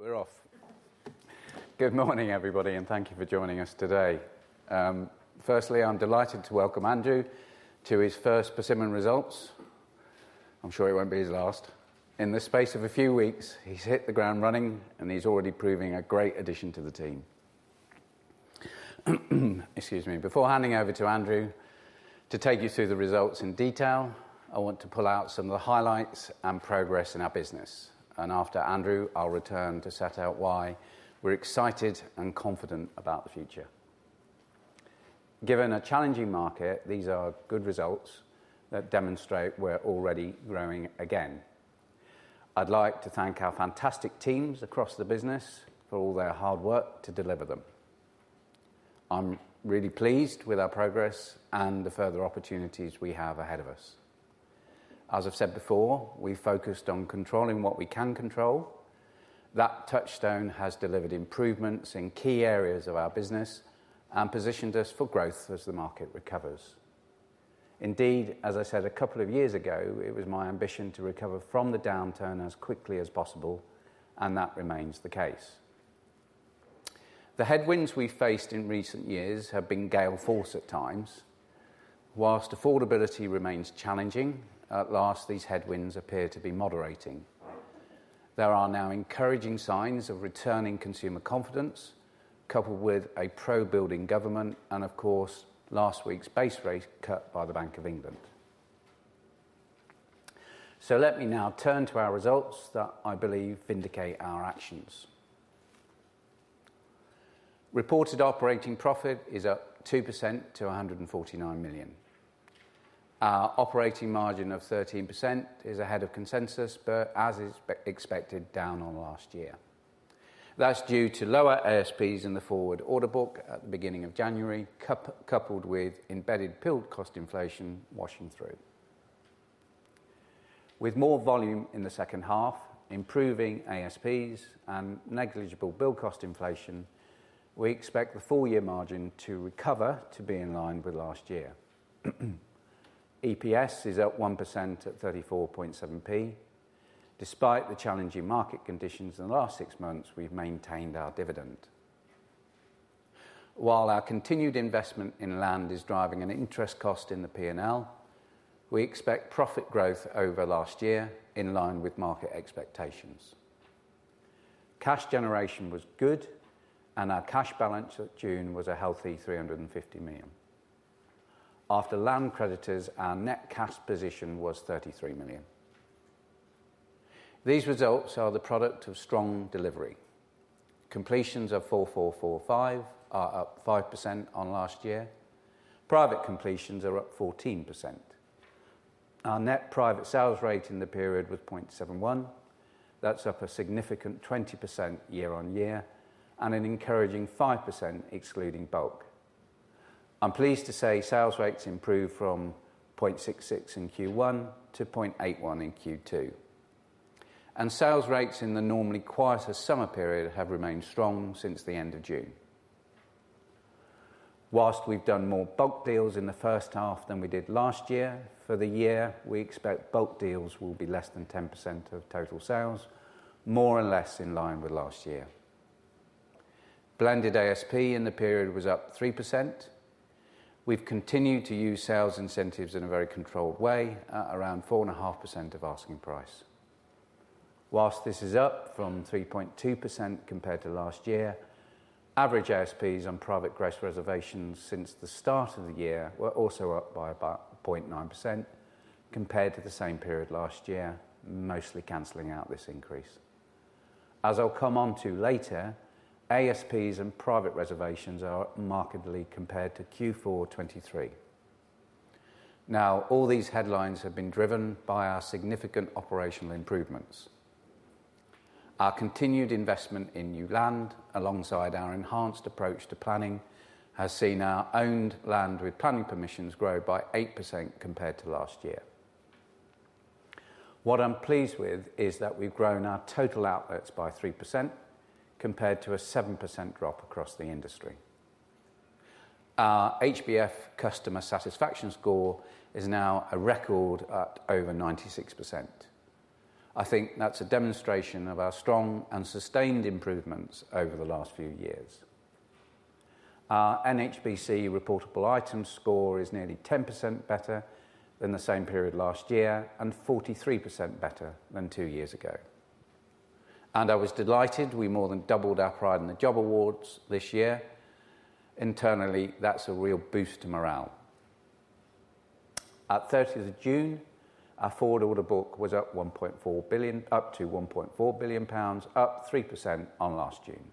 We're off. Good morning, everybody, and thank you for joining us today. Firstly, I'm delighted to welcome Andrew to his first Persimmon results. I'm sure it won't be his last. In the space of a few weeks, he's hit the ground running, and he's already proving a great addition to the team. Excuse me. Before handing over to Andrew to take you through the results in detail, I want to pull out some of the highlights and progress in our business, and after Andrew, I'll return to set out why we're excited and confident about the future. Given a challenging market, these are good results that demonstrate we're already growing again. I'd like to thank our fantastic teams across the business for all their hard work to deliver them. I'm really pleased with our progress and the further opportunities we have ahead of us. As I've said before, we've focused on controlling what we can control. That touchstone has delivered improvements in key areas of our business and positioned us for growth as the market recovers. Indeed, as I said a couple of years ago, it was my ambition to recover from the downturn as quickly as possible, and that remains the case. The headwinds we've faced in recent years have been gale force at times. While affordability remains challenging, at last, these headwinds appear to be moderating. There are now encouraging signs of returning consumer confidence, coupled with a pro-building government and, of course, last week's base rate cut by the Bank of England. So let me now turn to our results that I believe vindicate our actions. Reported operating profit is up 2% to 149 million. Our operating margin of 13% is ahead of consensus, but as expected, down on last year. That's due to lower ASPs in the forward order book at the beginning of January, coupled with embedded build cost inflation washing through. With more volume in the second half, improving ASPs and negligible build cost inflation, we expect the full year margin to recover to be in line with last year. EPS is up 1% at 34.7p. Despite the challenging market conditions in the last six months, we've maintained our dividend. While our continued investment in land is driving an interest cost in the P&L, we expect profit growth over last year in line with market expectations. Cash generation was good, and our cash balance at June was a healthy 350 million. After land creditors, our net cash position was 33 million. These results are the product of strong delivery. Completions of 4,445 are up 5% on last year. Private completions are up 14%. Our net private sales rate in the period was 0.71. That's up a significant 20% year on year and an encouraging 5% excluding bulk. I'm pleased to say sales rates improved from 0.66 in Q1 to 0.81 in Q2. And sales rates in the normally quieter summer period have remained strong since the end of June. While we've done more bulk deals in the first half than we did last year, for the year, we expect bulk deals will be less than 10% of total sales, more or less in line with last year. Blended ASP in the period was up 3%. We've continued to use sales incentives in a very controlled way at around 4.5% of asking price. While this is up from 3.2% compared to last year, average ASPs on private gross reservations since the start of the year were also up by about 0.9% compared to the same period last year, mostly canceling out this increase. As I'll come on to later, ASPs and private reservations are markedly compared to Q4 2023. Now, all these headlines have been driven by our significant operational improvements. Our continued investment in new land, alongside our enhanced approach to planning, has seen our owned land with planning permissions grow by 8% compared to last year. What I'm pleased with is that we've grown our total outlets by 3% compared to a 7% drop across the industry. Our HBF customer satisfaction score is now a record at over 96%. I think that's a demonstration of our strong and sustained improvements over the last few years. Our NHBC reportable item score is nearly 10% better than the same period last year and 43% better than two years ago. I was delighted we more than doubled our Pride in the Job awards this year. Internally, that's a real boost to morale. At 30th of June, our forward order book was up at 1.4 billion pounds, up 3% on last June.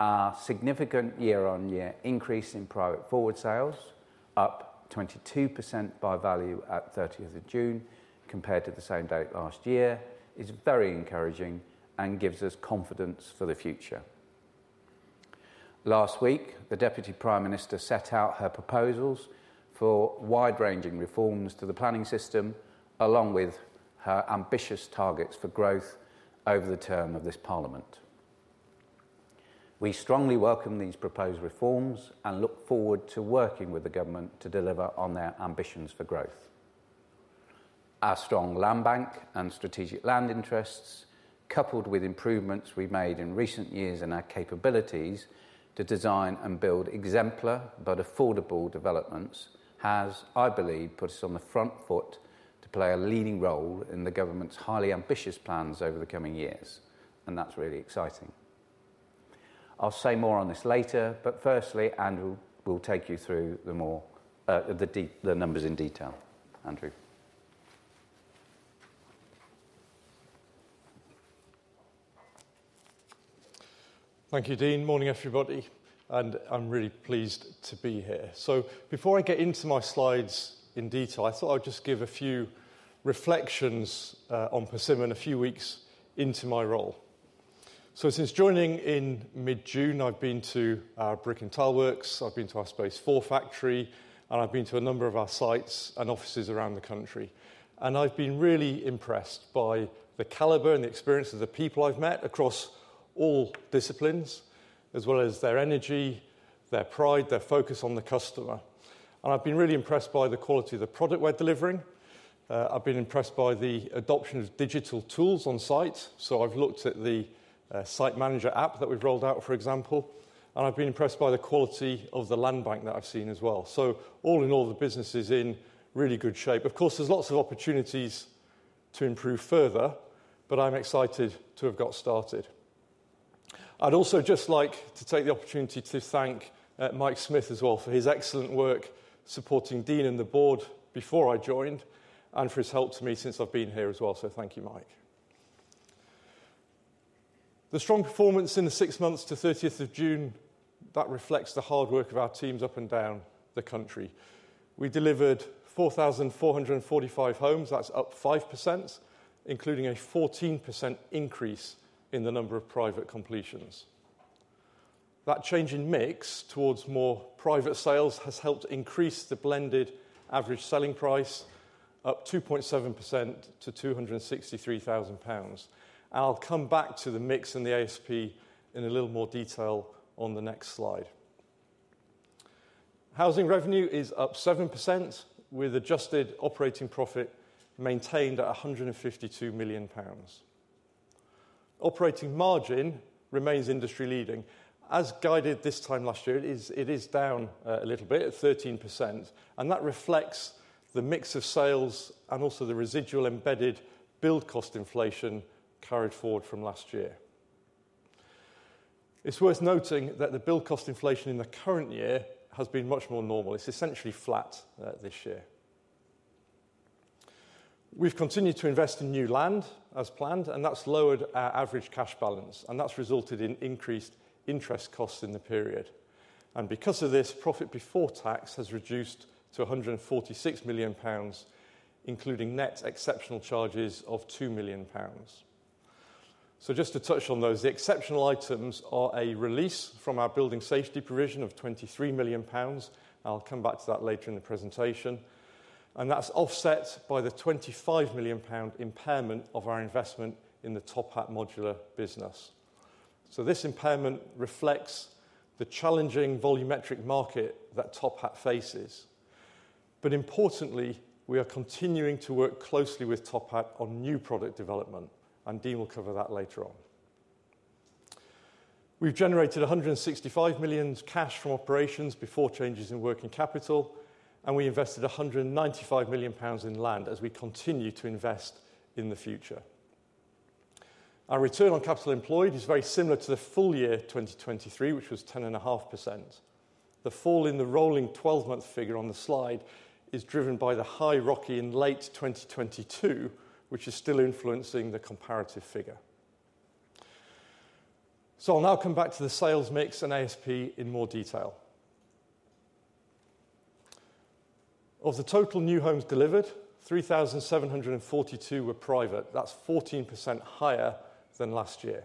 Our significant year on year increase in private forward sales, up 22% by value at 30th of June, compared to the same date last year, is very encouraging and gives us confidence for the future. Last week, the Deputy Prime Minister set out her proposals for wide-ranging reforms to the planning system, along with her ambitious targets for growth over the term of this Parliament. We strongly welcome these proposed reforms and look forward to working with the government to deliver on their ambitions for growth. Our strong land bank and strategic land interests, coupled with improvements we've made in recent years in our capabilities to design and build exemplar but affordable developments, has, I believe, put us on the front foot to play a leading role in the government's highly ambitious plans over the coming years, and that's really exciting. I'll say more on this later, but firstly, Andrew will take you through the numbers in detail. Andrew? Thank you, Dean. Morning, everybody, and I'm really pleased to be here. So before I get into my slides in detail, I thought I'd just give a few reflections on Persimmon a few weeks into my role. So since joining in mid-June, I've been to our brick and tile works, I've been to our Space4 factory, and I've been to a number of our sites and offices around the country, and I've been really impressed by the caliber and the experience of the people I've met across all disciplines, as well as their energy, their pride, their focus on the customer. And I've been really impressed by the quality of the product we're delivering. I've been impressed by the adoption of digital tools on site. So I've looked at the site manager app that we've rolled out, for example, and I've been impressed by the quality of the land bank that I've seen as well. So all in all, the business is in really good shape. Of course, there's lots of opportunities to improve further, but I'm excited to have got started. I'd also just like to take the opportunity to thank Mike Smith as well for his excellent work supporting Dean and the board before I joined, and for his help to me since I've been here as well. So thank you, Mike. The strong performance in the six months to 30th of June, that reflects the hard work of our teams up and down the country. We delivered 4,445 homes, that's up 5%, including a 14% increase in the number of private completions. That change in mix towards more private sales has helped increase the blended average selling price, up 2.7% to 263,000 pounds. I'll come back to the mix and the ASP in a little more detail on the next slide. Housing revenue is up 7%, with adjusted operating profit maintained at 152 million pounds. Operating margin remains industry-leading. As guided this time last year, it is, it is down a little bit at 13%, and that reflects the mix of sales and also the residual embedded build cost inflation carried forward from last year. It's worth noting that the build cost inflation in the current year has been much more normal. It's essentially flat this year. We've continued to invest in new land, as planned, and that's lowered our average cash balance, and that's resulted in increased interest costs in the period. Because of this, profit before tax has reduced to 146 million pounds, including net exceptional charges of 2 million pounds. Just to touch on those, the exceptional items are a release from our building safety provision of 23 million pounds. I'll come back to that later in the presentation. That's offset by the 25 million pound impairment of our investment in the TopHat modular business. This impairment reflects the challenging volumetric market that TopHat faces. Importantly, we are continuing to work closely with TopHat on new product development, and Dean will cover that later on. We've generated 165 million cash from operations before changes in working capital, and we invested 195 million pounds in land as we continue to invest in the future. Our return on capital employed is very similar to the full year 2023, which was 10.5%. The fall in the rolling 12-month figure on the slide is driven by the high ROCE in late 2022, which is still influencing the comparative figure. So I'll now come back to the sales mix and ASP in more detail. Of the total new homes delivered, 3,742 were private. That's 14% higher than last year.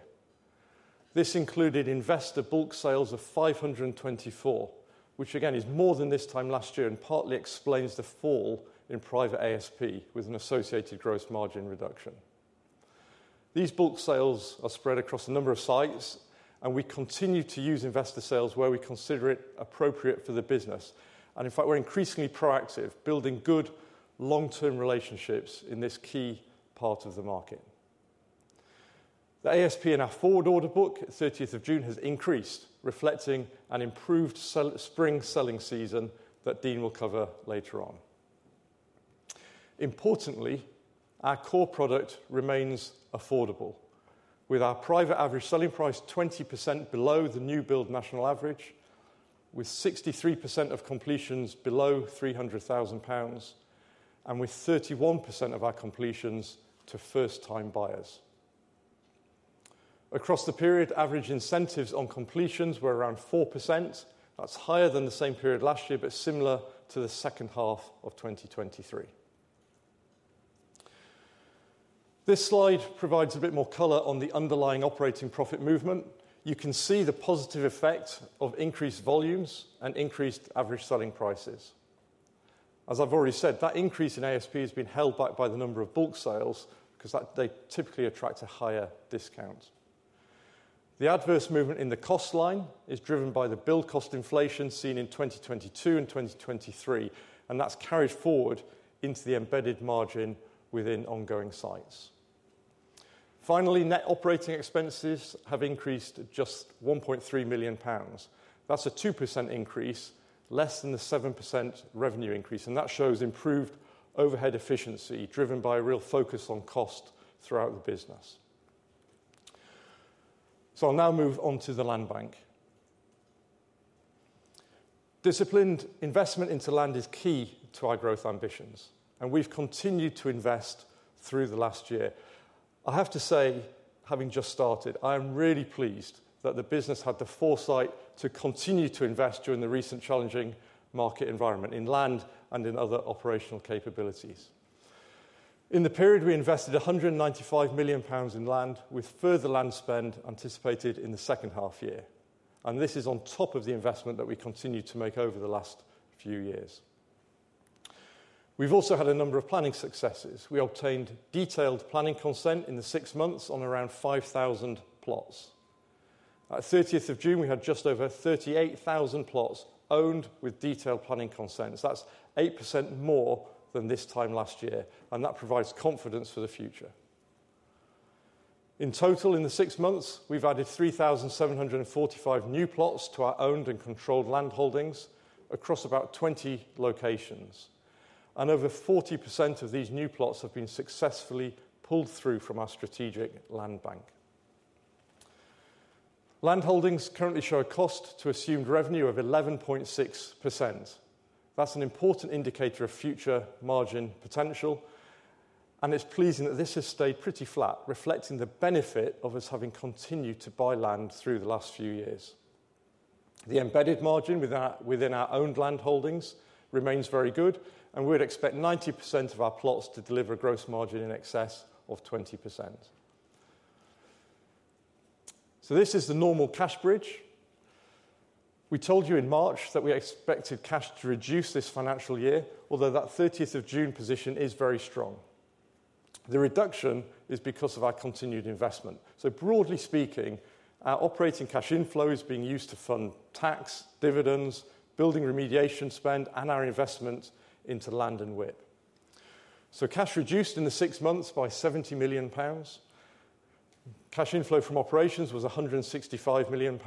This included investor bulk sales of 524, which again, is more than this time last year, and partly explains the fall in private ASP with an associated gross margin reduction. These bulk sales are spread across a number of sites, and we continue to use investor sales where we consider it appropriate for the business. And in fact, we're increasingly proactive, building good long-term relationships in this key part of the market. The ASP in our forward order book at 30th of June has increased, reflecting an improved spring selling season that Dean will cover later on. Importantly, our core product remains affordable, with our private average selling price 20% below the new build national average, with 63% of completions below 300,000 pounds, and with 31% of our completions to first-time buyers. Across the period, average incentives on completions were around 4%. That's higher than the same period last year, but similar to the second half of 2023. This slide provides a bit more color on the underlying operating profit movement. You can see the positive effect of increased volumes and increased average selling prices. As I've already said, that increase in ASP has been held back by the number of bulk sales, 'cause that they typically attract a higher discount. The adverse movement in the cost line is driven by the build cost inflation seen in 2022 and 2023, and that's carried forward into the embedded margin within ongoing sites. Finally, net operating expenses have increased just 1.3 million pounds. That's a 2% increase, less than the 7% revenue increase, and that shows improved overhead efficiency, driven by a real focus on cost throughout the business. So I'll now move on to the land bank. Disciplined investment into land is key to our growth ambitions, and we've continued to invest through the last year. I have to say, having just started, I am really pleased that the business had the foresight to continue to invest during the recent challenging market environment, in land and in other operational capabilities. In the period, we invested 195 million pounds in land, with further land spend anticipated in the second half year, and this is on top of the investment that we continued to make over the last few years. We've also had a number of planning successes. We obtained detailed planning consent in the six months on around 5,000 plots. At 30th of June, we had just over 38,000 plots owned with detailed planning consents. That's 8% more than this time last year, and that provides confidence for the future. In total, in the six months, we've added 3,745 new plots to our owned and controlled land holdings across about 20 locations, and over 40% of these new plots have been successfully pulled through from our strategic land bank. Land holdings currently show a cost to assumed revenue of 11.6%. That's an important indicator of future margin potential, and it's pleasing that this has stayed pretty flat, reflecting the benefit of us having continued to buy land through the last few years. The embedded margin with our, within our owned land holdings remains very good, and we'd expect 90% of our plots to deliver a gross margin in excess of 20%. So this is the normal cash bridge. We told you in March that we expected cash to reduce this financial year, although that 30th of June position is very strong. The reduction is because of our continued investment. So broadly speaking, our operating cash inflow is being used to fund tax, dividends, building remediation spend, and our investment into land and WIP. So cash reduced in the six months by GBP 70 million. Cash inflow from operations was GBP 165 million.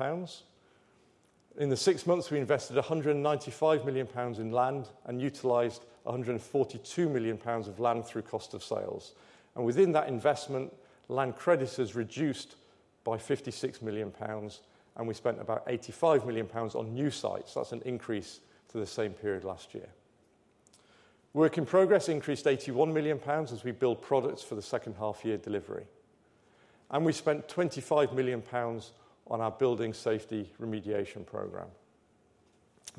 In the six months, we invested GBP 195 million in land and utilized GBP 142 million of land through cost of sales. And within that investment, land creditors reduced by 56 million pounds, and we spent about 85 million pounds on new sites. That's an increase to the same period last year. Work in progress increased 81 million pounds as we build products for the second half year delivery, and we spent 25 million pounds on our building safety remediation program.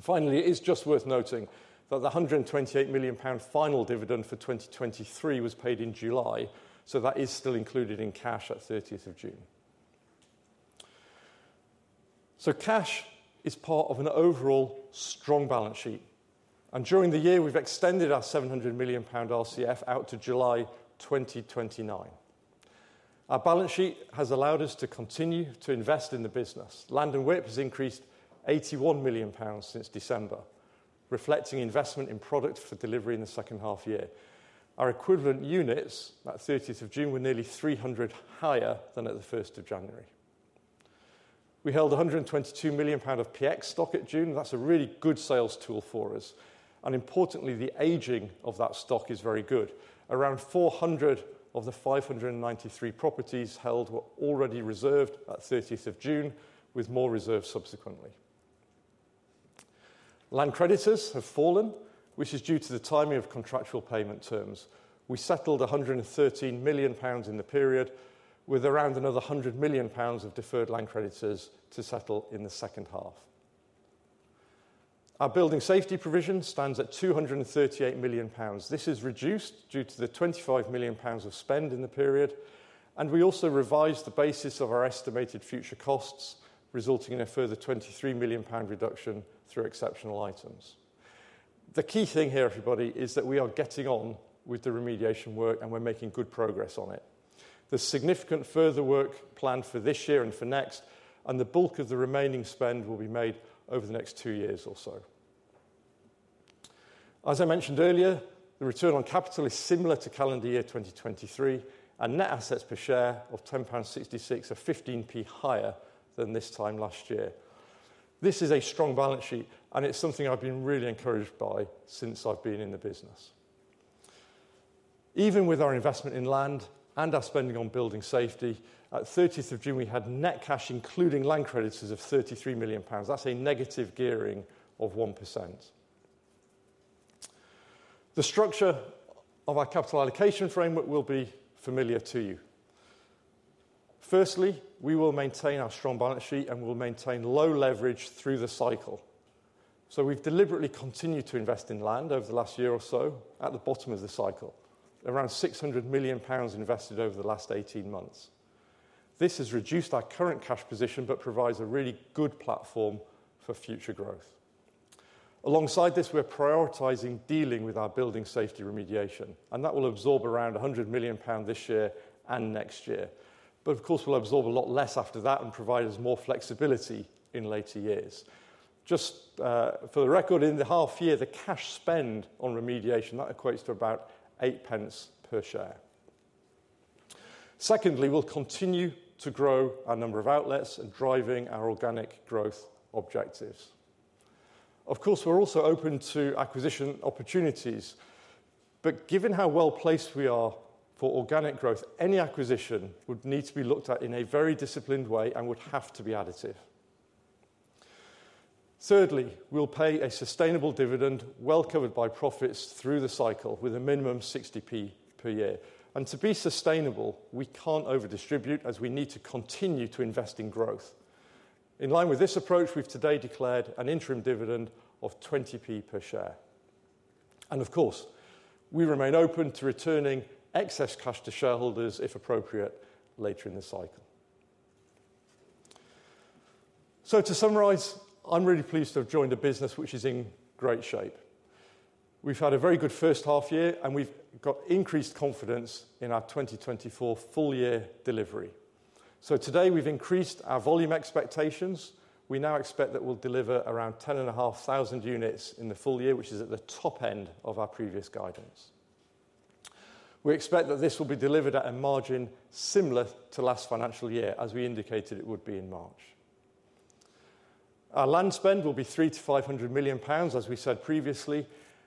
Finally, it's just worth noting that the GBP 128 million final dividend for 2023 was paid in July, so that is still included in cash at 30th of June. So cash is part of an overall strong balance sheet, and during the year, we've extended our 700 million pound RCF out to July 2029. Our balance sheet has allowed us to continue to invest in the business. Land and WIP has increased 81 million pounds since December, reflecting investment in product for delivery in the second half year. Our equivalent units at 30th of June were nearly 300 higher than at the 1st of January. We held 122 million pound of PX stock at June. That's a really good sales tool for us, and importantly, the aging of that stock is very good. Around 400 of the 593 properties held were already reserved at 30th of June, with more reserved subsequently. Land creditors have fallen, which is due to the timing of contractual payment terms. We settled 113 million pounds in the period, with around another 100 million pounds of deferred land creditors to settle in the second half. Our building safety provision stands at 238 million pounds. This is reduced due to the 25 million pounds of spend in the period, and we also revised the basis of our estimated future costs, resulting in a further 23 million pound reduction through exceptional items. The key thing here, everybody, is that we are getting on with the remediation work, and we're making good progress on it. There's significant further work planned for this year and for next, and the bulk of the remaining spend will be made over the next two years or so. As I mentioned earlier, the return on capital is similar to calendar year 2023, and net assets per share of 10.66 pound are 15p higher than this time last year. This is a strong balance sheet, and it's something I've been really encouraged by since I've been in the business. Even with our investment in land and our spending on building safety, at 30th of June, we had net cash, including land creditors, of 33 million pounds. That's a negative gearing of 1%. The structure of our capital allocation framework will be familiar to you. Firstly, we will maintain our strong balance sheet, and we'll maintain low leverage through the cycle. So we've deliberately continued to invest in land over the last year or so at the bottom of the cycle. Around 600 million pounds invested over the last 18 months. This has reduced our current cash position, but provides a really good platform for future growth. Alongside this, we're prioritizing dealing with our building safety remediation, and that will absorb around 100 million pound this year and next year. But of course, we'll absorb a lot less after that and provide us more flexibility in later years. Just, for the record, in the half year, the cash spend on remediation, that equates to about 0.08 per share. Secondly, we'll continue to grow our number of outlets and driving our organic growth objectives. Of course, we're also open to acquisition opportunities, but given how well-placed we are for organic growth, any acquisition would need to be looked at in a very disciplined way and would have to be additive. Thirdly, we'll pay a sustainable dividend, well covered by profits through the cycle, with a minimum 60p per year. To be sustainable, we can't over distribute as we need to continue to invest in growth. In line with this approach, we've today declared an interim dividend of 20p per share. Of course, we remain open to returning excess cash to shareholders, if appropriate, later in the cycle. To summarize, I'm really pleased to have joined a business which is in great shape. We've had a very good first half year, and we've got increased confidence in our 2024 full year delivery. Today, we've increased our volume expectations. We now expect that we'll deliver around 10,500 units in the full year, which is at the top end of our previous guidance. We expect that this will be delivered at a margin similar to last financial year, as we indicated it would be in March. Our land spend will be 300 million-500 million pounds, as we said previously,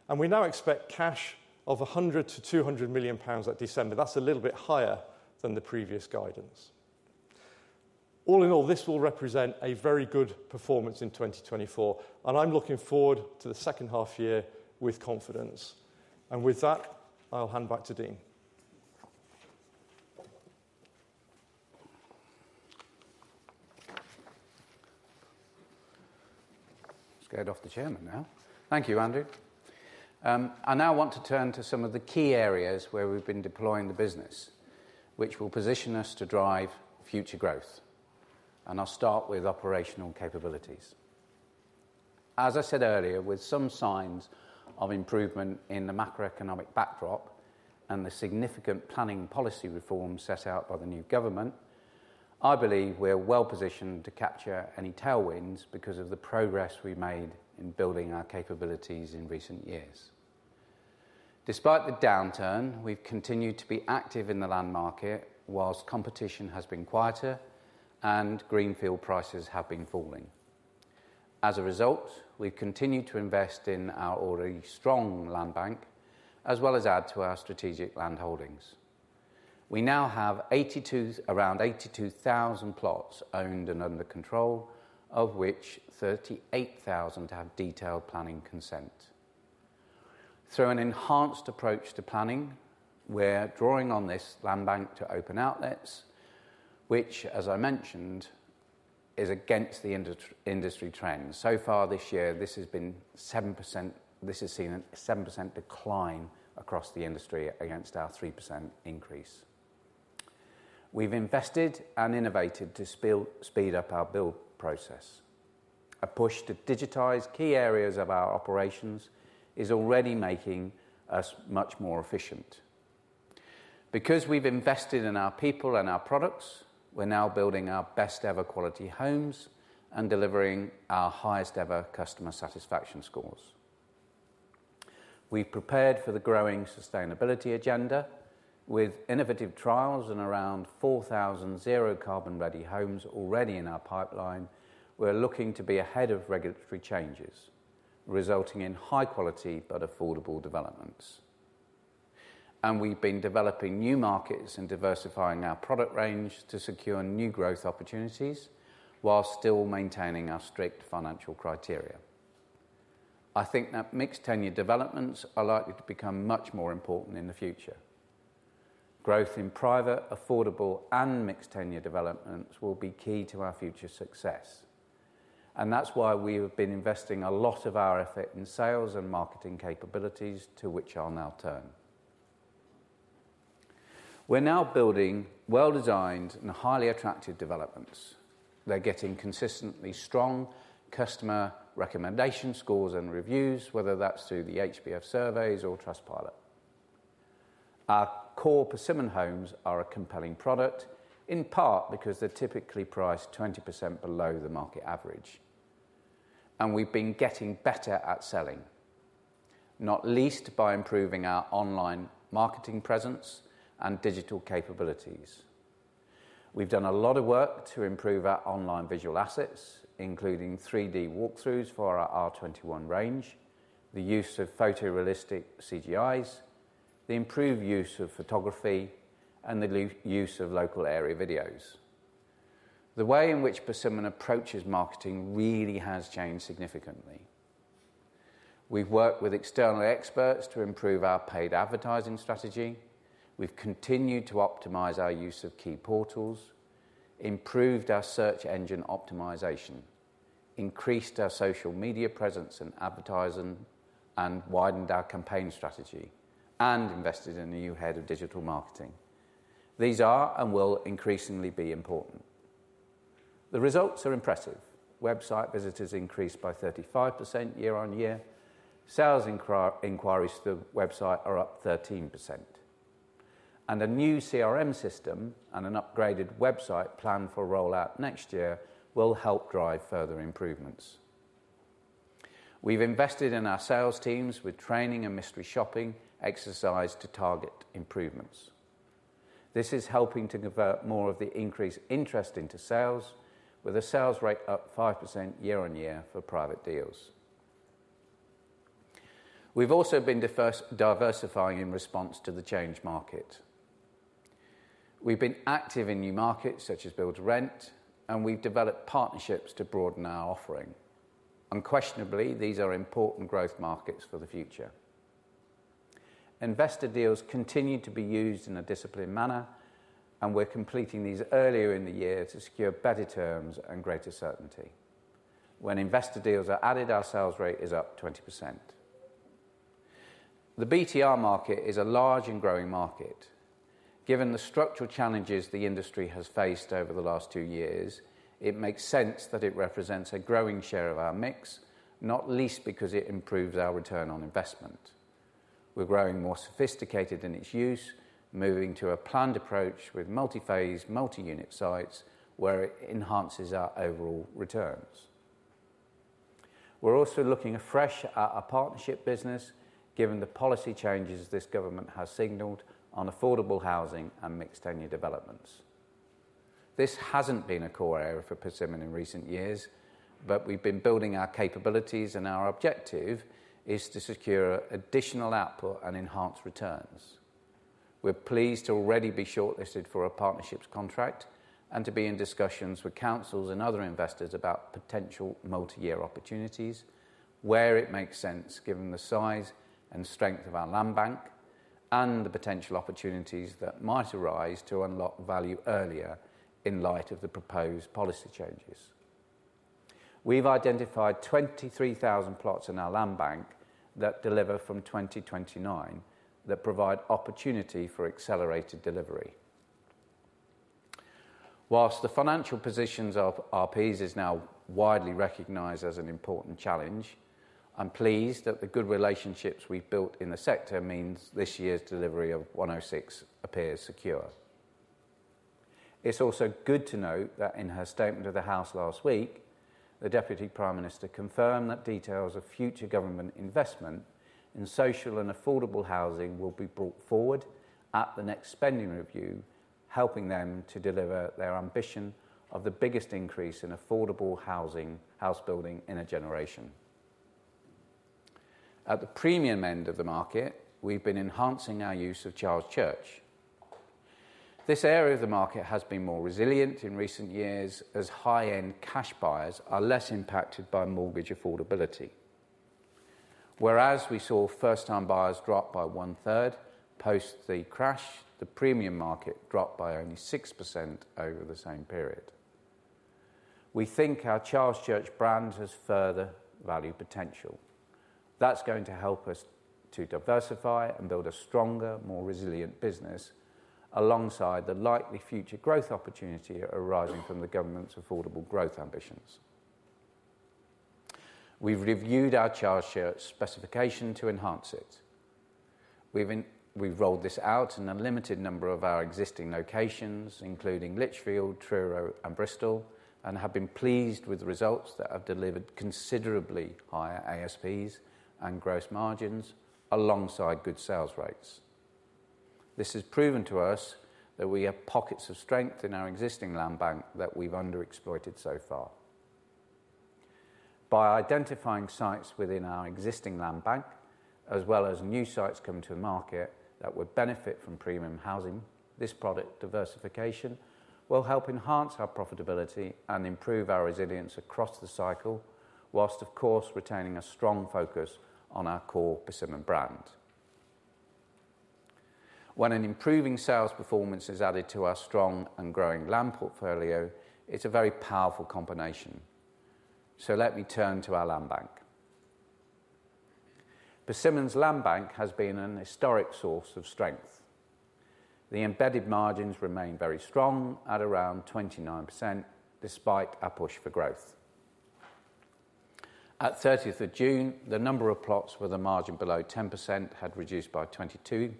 and we now expect cash of 100 million-200 million pounds at December. That's a little bit higher than the previous guidance. All in all, this will represent a very good performance in 2024, and I'm looking forward to the second half year with confidence. With that, I'll hand back to Dean. Scared off the chairman now. Thank you, Andrew. I now want to turn to some of the key areas where we've been deploying the business, which will position us to drive future growth. I'll start with operational capabilities. As I said earlier, with some signs of improvement in the macroeconomic backdrop and the significant planning policy reforms set out by the new government, I believe we're well positioned to capture any tailwinds because of the progress we made in building our capabilities in recent years. Despite the downturn, we've continued to be active in the land market, whilst competition has been quieter and greenfield prices have been falling. As a result, we've continued to invest in our already strong land bank, as well as add to our strategic land holdings. We now have around 82,000 plots owned and under control, of which 38,000 have detailed planning consent. Through an enhanced approach to planning, we're drawing on this land bank to open outlets, which, as I mentioned, is against the industry trend. So far this year, this has seen a 7% decline across the industry, against our 3% increase. We've invested and innovated to speed up our build process. A push to digitize key areas of our operations is already making us much more efficient. Because we've invested in our people and our products, we're now building our best ever quality homes and delivering our highest ever customer satisfaction scores. We've prepared for the growing sustainability agenda with innovative trials and around 4,000 zero carbon-ready homes already in our pipeline. We're looking to be ahead of regulatory changes, resulting in high quality but affordable developments. We've been developing new markets and diversifying our product range to secure new growth opportunities while still maintaining our strict financial criteria. I think that mixed tenure developments are likely to become much more important in the future. Growth in private, affordable, and mixed tenure developments will be key to our future success, and that's why we have been investing a lot of our effort in sales and marketing capabilities, to which I'll now turn. We're now building well-designed and highly attractive developments. They're getting consistently strong customer recommendation scores and reviews, whether that's through the HBF surveys or Trustpilot. Our core Persimmon homes are a compelling product, in part because they're typically priced 20% below the market average. We've been getting better at selling, not least by improving our online marketing presence and digital capabilities. We've done a lot of work to improve our online visual assets, including 3D walkthroughs for our R21 range, the use of photorealistic CGIs, the improved use of photography, and the use of local area videos. The way in which Persimmon approaches marketing really has changed significantly. We've worked with external experts to improve our paid advertising strategy, we've continued to optimize our use of key portals, improved our search engine optimization, increased our social media presence and advertising, and widened our campaign strategy, and invested in a new head of digital marketing. These are and will increasingly be important. The results are impressive. Website visitors increased by 35% year-on-year. Sales inquiries to the website are up 13%, and a new CRM system and an upgraded website planned for rollout next year will help drive further improvements. We've invested in our sales teams with training and mystery shopping exercise to target improvements. This is helping to convert more of the increased interest into sales, with a sales rate up 5% year-on-year for private deals. We've also been diversifying in response to the changed market. We've been active in new markets, such as build to rent, and we've developed partnerships to broaden our offering. Unquestionably, these are important growth markets for the future. Investor deals continue to be used in a disciplined manner, and we're completing these earlier in the year to secure better terms and greater certainty. When investor deals are added, our sales rate is up 20%. The BTR market is a large and growing market. Given the structural challenges the industry has faced over the last two years, it makes sense that it represents a growing share of our mix, not least because it improves our return on investment. We're growing more sophisticated in its use, moving to a planned approach with multi-phase, multi-unit sites, where it enhances our overall returns. We're also looking afresh at our partnership business, given the policy changes this government has signaled on affordable housing and mixed-tenure developments. This hasn't been a core area for Persimmon in recent years, but we've been building our capabilities, and our objective is to secure additional output and enhanced returns. We're pleased to already be shortlisted for a partnerships contract and to be in discussions with councils and other investors about potential multi-year opportunities, where it makes sense, given the size and strength of our land bank and the potential opportunities that might arise to unlock value earlier in light of the proposed policy changes. We've identified 23,000 plots in our land bank that deliver from 2029, that provide opportunity for accelerated delivery. Whilst the financial positions of RPs is now widely recognized as an important challenge, I'm pleased that the good relationships we've built in the sector means this year's delivery of 106 appears secure. It's also good to note that in her statement of the House last week, the Deputy Prime Minister confirmed that details of future government investment in social and affordable housing will be brought forward at the next spending review, helping them to deliver their ambition of the biggest increase in affordable housing, house building in a generation. At the premium end of the market, we've been enhancing our use of Charles Church. This area of the market has been more resilient in recent years as high-end cash buyers are less impacted by mortgage affordability. Whereas we saw first-time buyers drop by one-third post the crash, the premium market dropped by only 6% over the same period. We think our Charles Church brand has further value potential. That's going to help us to diversify and build a stronger, more resilient business, alongside the likely future growth opportunity arising from the government's affordable growth ambitions. We've reviewed our Charles Church specification to enhance it. We've rolled this out in a limited number of our existing locations, including Lichfield, Truro, and Bristol, and have been pleased with the results that have delivered considerably higher ASPs and gross margins alongside good sales rates. This has proven to us that we have pockets of strength in our existing land bank that we've underexploited so far. By identifying sites within our existing land bank, as well as new sites coming to the market that would benefit from premium housing, this product diversification will help enhance our profitability and improve our resilience across the cycle, whilst, of course, retaining a strong focus on our core Persimmon brand. When an improving sales performance is added to our strong and growing land portfolio, it's a very powerful combination. So let me turn to our land bank. Persimmon's land bank has been an historic source of strength. The embedded margins remain very strong at around 29%, despite our push for growth. At 30th of June, the number of plots with a margin below 10% had reduced by 22%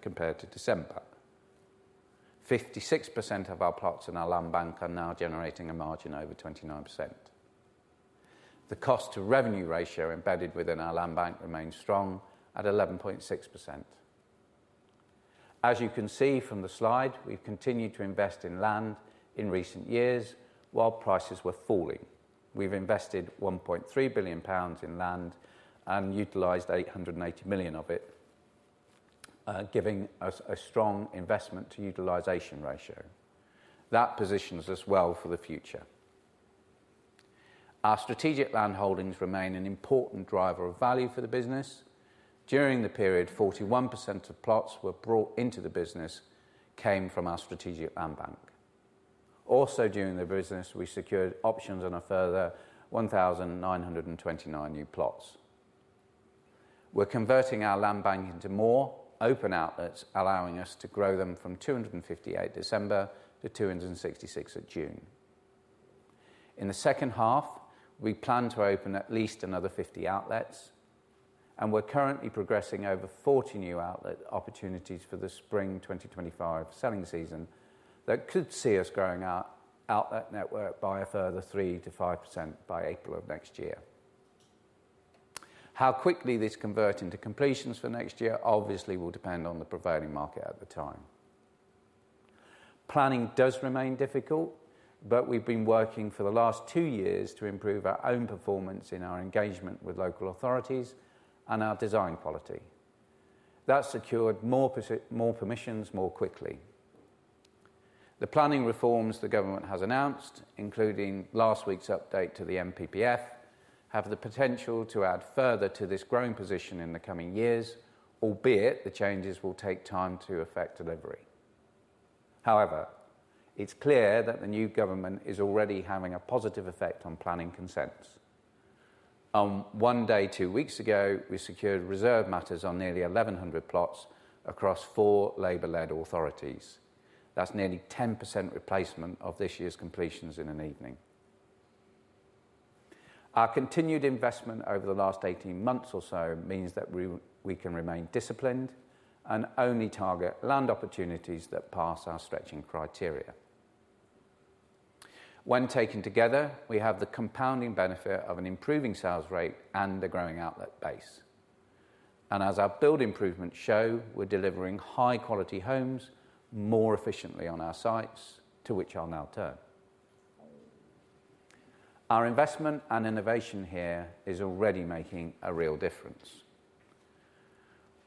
compared to December. 56% of our plots in our land bank are now generating a margin over 29%. The cost to revenue ratio embedded within our land bank remains strong at 11.6%. As you can see from the slide, we've continued to invest in land in recent years while prices were falling. We've invested 1.3 billion pounds in land and utilized 880 million of it, giving us a strong investment to utilization ratio. That positions us well for the future. Our strategic land holdings remain an important driver of value for the business. During the period, 41% of plots were brought into the business came from our strategic land bank. Also, during the business, we secured options on a further 1,029 new plots. We're converting our land bank into more open outlets, allowing us to grow them from 258 December to 266 at June. In the second half, we plan to open at least another 50 outlets, and we're currently progressing over 40 new outlet opportunities for the spring 2025 selling season, that could see us growing our outlet network by a further 3%-5% by April of next year. How quickly this convert into completions for next year obviously will depend on the prevailing market at the time. Planning does remain difficult, but we've been working for the last 2 years to improve our own performance in our engagement with local authorities and our design quality. That secured more permissions, more quickly. The planning reforms the government has announced, including last week's update to the NPPF, have the potential to add further to this growing position in the coming years, albeit the changes will take time to affect delivery. However, it's clear that the new government is already having a positive effect on planning consents. On one day, two weeks ago, we secured Reserved Matters on nearly 1,100 plots across 4 Labour-led authorities. That's nearly 10% replacement of this year's completions in an evening. Our continued investment over the last 18 months or so means that we can remain disciplined and only target land opportunities that pass our stretching criteria. When taken together, we have the compounding benefit of an improving sales rate and a growing outlet base. And as our build improvements show, we're delivering high-quality homes more efficiently on our sites, to which I'll now turn. Our investment and innovation here is already making a real difference.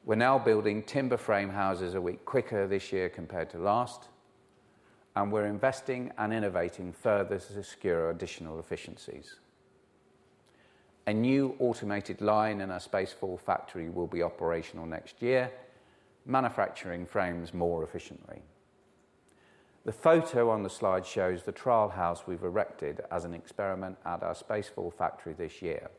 We're now building timber frame houses a week quicker this year compared to last, and we're investing and innovating further to secure additional efficiencies. A new automated line in our Space4 factory will be operational next year, manufacturing frames more efficiently. The photo on the slide shows the trial house we've erected as an experiment at our Space4 factory this year.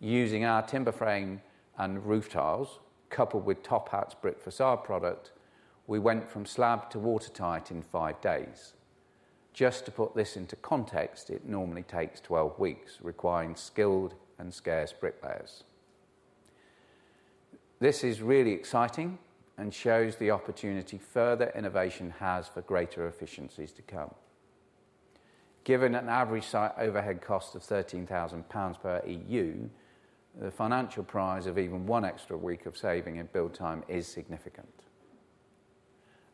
Using our timber frame and roof tiles, coupled with TopHat's brick facade product, we went from slab to watertight in five days. Just to put this into context, it normally takes 12 weeks, requiring skilled and scarce bricklayers. This is really exciting and shows the opportunity further innovation has for greater efficiencies to come. Given an average site overhead cost of 13,000 pounds per outlet, the financial prize of even one extra week of saving in build time is significant.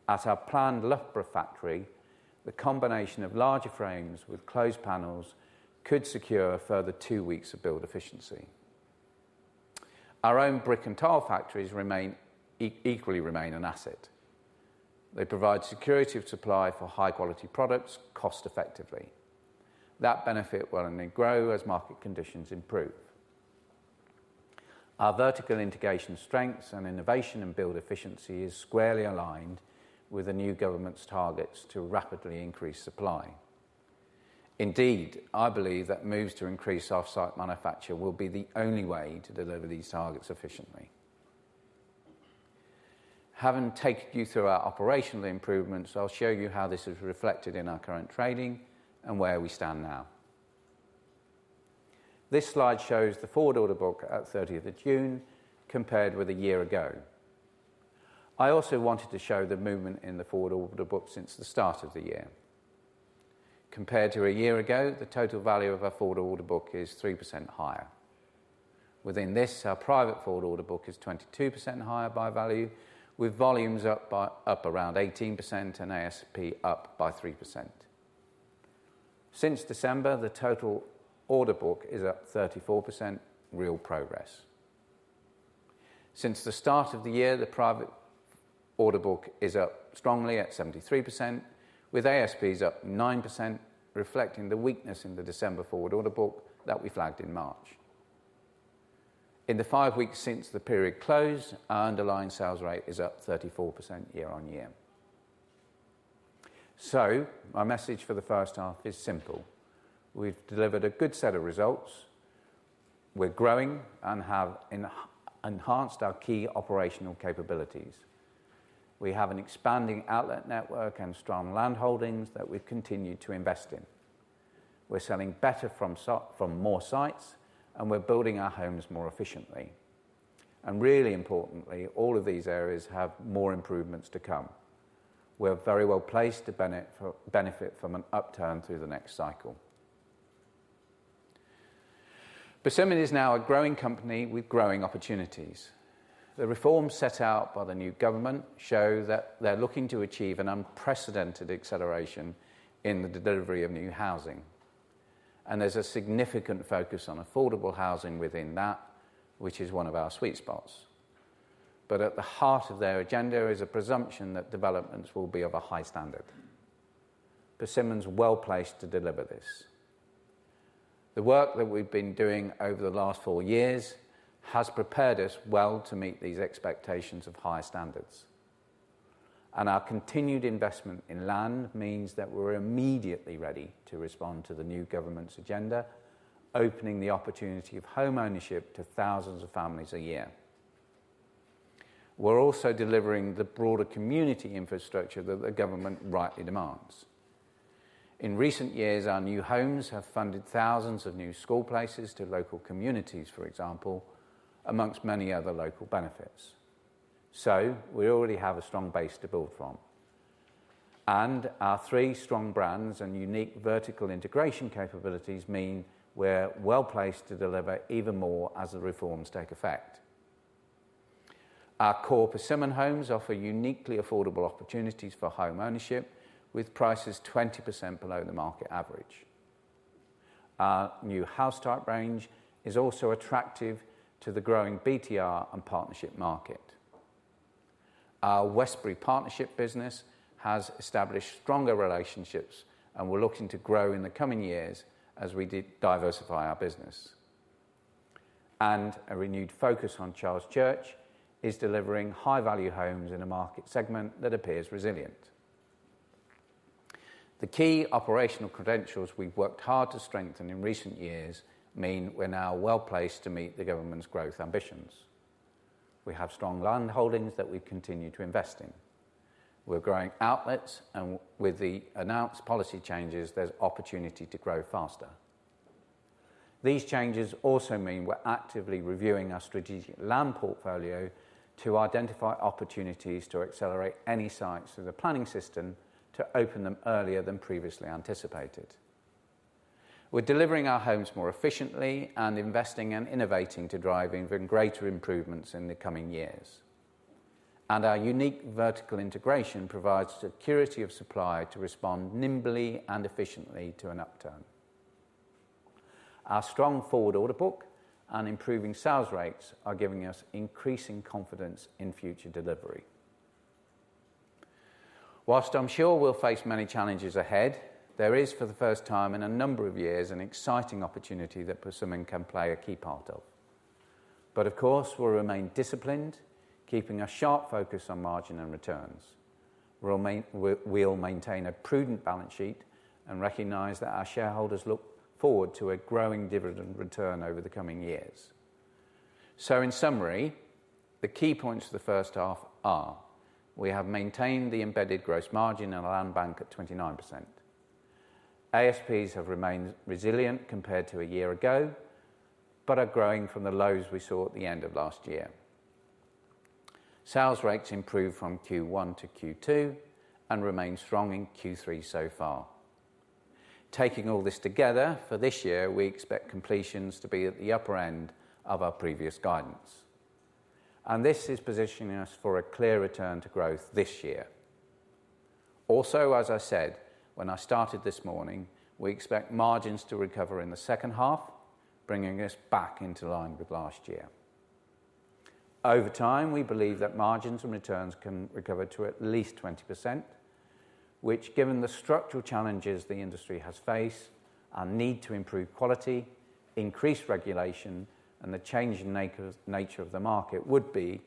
At our planned Loughborough factory, the combination of larger frames with closed panels could secure a further two weeks of build efficiency. Our own brick and tile factories remain equally an asset. They provide security of supply for high-quality products, cost-effectively. That benefit will only grow as market conditions improve. Our vertical integration strengths and innovation and build efficiency is squarely aligned with the new government's targets to rapidly increase supply. Indeed, I believe that moves to increase off-site manufacture will be the only way to deliver these targets efficiently. Having taken you through our operational improvements, I'll show you how this is reflected in our current trading and where we stand now. This slide shows the forward order book at 30th of June, compared with a year ago. I also wanted to show the movement in the forward order book since the start of the year. Compared to a year ago, the total value of our forward order book is 3% higher. Within this, our private forward order book is 22% higher by value, with volumes up around 18% and ASP up by 3%. Since December, the total order book is up 34%, real progress. Since the start of the year, the private order book is up strongly at 73%, with ASPs up 9%, reflecting the weakness in the December forward order book that we flagged in March. In the five weeks since the period closed, our underlying sales rate is up 34% year-on-year. So my message for the first half is simple: We've delivered a good set of results. We're growing and have enhanced our key operational capabilities. We have an expanding outlet network and strong land holdings that we've continued to invest in. We're selling better from more sites, and we're building our homes more efficiently. And really importantly, all of these areas have more improvements to come. We're very well placed to benefit from an upturn through the next cycle. Persimmon is now a growing company with growing opportunities. The reforms set out by the new government show that they're looking to achieve an unprecedented acceleration in the delivery of new housing, and there's a significant focus on affordable housing within that, which is one of our sweet spots. But at the heart of their agenda is a presumption that developments will be of a high standard. Persimmon's well-placed to deliver this. The work that we've been doing over the last four years has prepared us well to meet these expectations of higher standards. Our continued investment in land means that we're immediately ready to respond to the new government's agenda, opening the opportunity of home ownership to thousands of families a year. We're also delivering the broader community infrastructure that the government rightly demands. In recent years, our new homes have funded thousands of new school places to local communities, for example, among many other local benefits. We already have a strong base to build from, and our three strong brands and unique vertical integration capabilities mean we're well-placed to deliver even more as the reforms take effect. Our core Persimmon Homes offer uniquely affordable opportunities for home ownership, with prices 20% below the market average. Our new house type range is also attractive to the growing BTR and partnership market. Our Westbury Partnerships business has established stronger relationships, and we're looking to grow in the coming years as we diversify our business. And a renewed focus on Charles Church is delivering high-value homes in a market segment that appears resilient. The key operational credentials we've worked hard to strengthen in recent years mean we're now well-placed to meet the government's growth ambitions. We have strong land holdings that we continue to invest in. We're growing outlets, and with the announced policy changes, there's opportunity to grow faster. These changes also mean we're actively reviewing our strategic land portfolio to identify opportunities to accelerate any sites through the planning system, to open them earlier than previously anticipated. We're delivering our homes more efficiently and investing and innovating to drive even greater improvements in the coming years. And our unique vertical integration provides security of supply to respond nimbly and efficiently to an upturn. Our strong forward order book and improving sales rates are giving us increasing confidence in future delivery. While I'm sure we'll face many challenges ahead, there is, for the first time in a number of years, an exciting opportunity that Persimmon can play a key part of. But of course, we'll remain disciplined, keeping a sharp focus on margin and returns. We'll maintain a prudent balance sheet and recognize that our shareholders look forward to a growing dividend return over the coming years. So in summary, the key points for the first half are, we have maintained the embedded gross margin and the land bank at 29%. ASPs have remained resilient compared to a year ago, but are growing from the lows we saw at the end of last year. Sales rates improved from Q1 to Q2 and remain strong in Q3 so far. Taking all this together, for this year, we expect completions to be at the upper end of our previous guidance, and this is positioning us for a clear return to growth this year. Also, as I said when I started this morning, we expect margins to recover in the second half, bringing us back into line with last year. Over time, we believe that margins and returns can recover to at least 20%, which, given the structural challenges the industry has faced, our need to improve quality, increased regulation, and the changing nature of the market, would be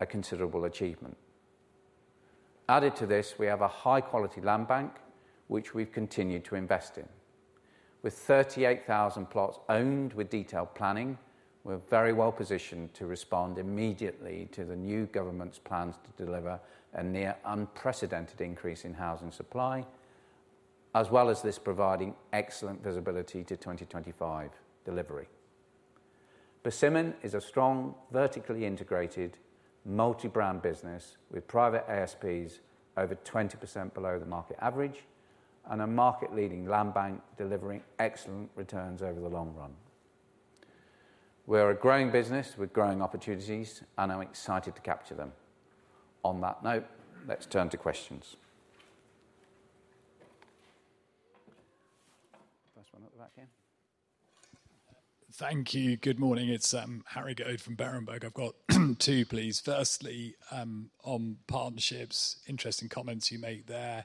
a considerable achievement. Added to this, we have a high-quality land bank, which we've continued to invest in. With 38,000 plots owned with detailed planning, we're very well positioned to respond immediately to the new government's plans to deliver a near unprecedented increase in housing supply, as well as this providing excellent visibility to 2025 delivery. Persimmon is a strong, vertically integrated, multi-brand business with private ASPs over 20% below the market average and a market-leading land bank delivering excellent returns over the long run. We're a growing business with growing opportunities, and I'm excited to capture them. On that note, let's turn to questions. First one at the back here. Thank you. Good morning, it's Harry Goad from Berenberg. I've got two, please. Firstly, on partnerships, interesting comments you make there.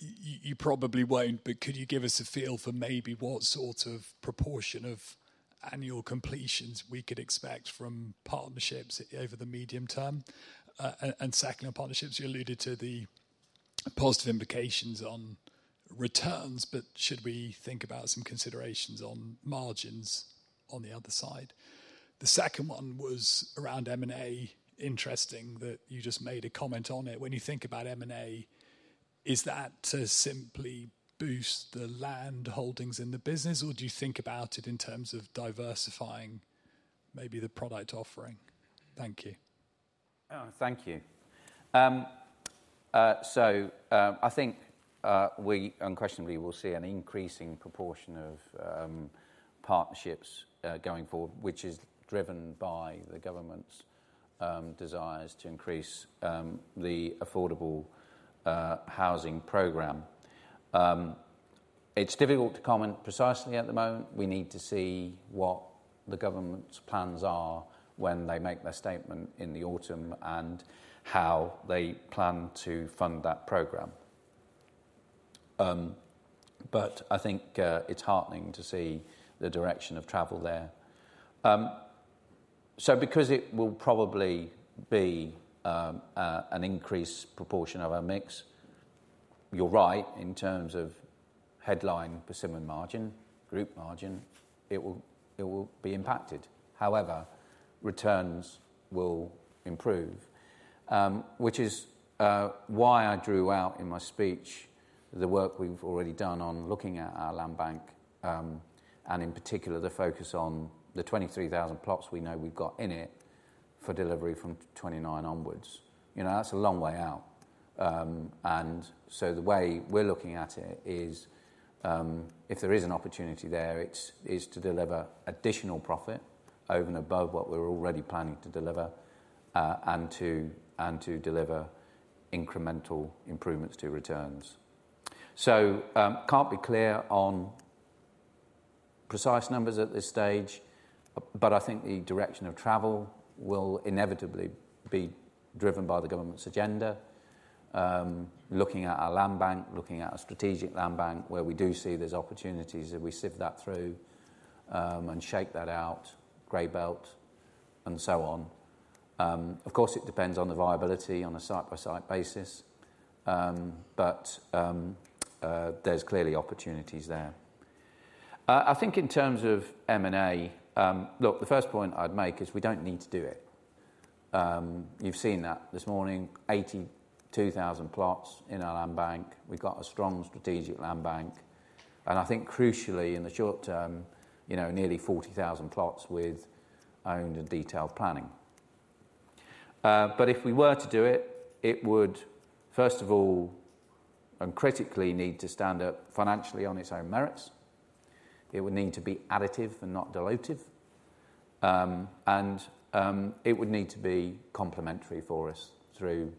You probably won't, but could you give us a feel for maybe what sort of proportion of annual completions we could expect from partnerships over the medium term? And second on partnerships, you alluded to the positive implications on returns, but should we think about some considerations on margins on the other side? The second one was around M&A. Interesting that you just made a comment on it. When you think about M&A, is that to simply boost the land holdings in the business, or do you think about it in terms of diversifying maybe the product offering? Thank you. Oh, thank you. I think we unquestionably will see an increasing proportion of partnerships going forward, which is driven by the government's desires to increase the affordable housing program. It's difficult to comment precisely at the moment. We need to see what the government's plans are when they make their statement in the autumn, and how they plan to fund that program. But I think it's heartening to see the direction of travel there. So because it will probably be an increased proportion of our mix, you're right, in terms of headline Persimmon margin, group margin, it will be impacted. However, returns will improve. Which is why I drew out in my speech, the work we've already done on looking at our land bank, and in particular, the focus on the 23,000 plots we know we've got in it for delivery from 2029 onwards. You know, that's a long way out. And so the way we're looking at it is, if there is an opportunity there, is to deliver additional profit over and above what we're already planning to deliver, and to deliver incremental improvements to returns. So, can't be clear on precise numbers at this stage, but I think the direction of travel will inevitably be driven by the government's agenda. Looking at our land bank, looking at our strategic land bank, where we do see there's opportunities, if we sift that through, and shake that out, Grey Belt, and so on. Of course, it depends on the viability on a site-by-site basis, but, there's clearly opportunities there. I think in terms of M&A, look, the first point I'd make is we don't need to do it. You've seen that this morning, 82,000 plots in our land bank. We've got a strong strategic land bank, and I think crucially, in the short term, you know, nearly 40,000 plots with owned and detailed planning. But if we were to do it, it would, first of all, and critically, need to stand up financially on its own merits. It would need to be additive and not dilutive. It would need to be complementary for us through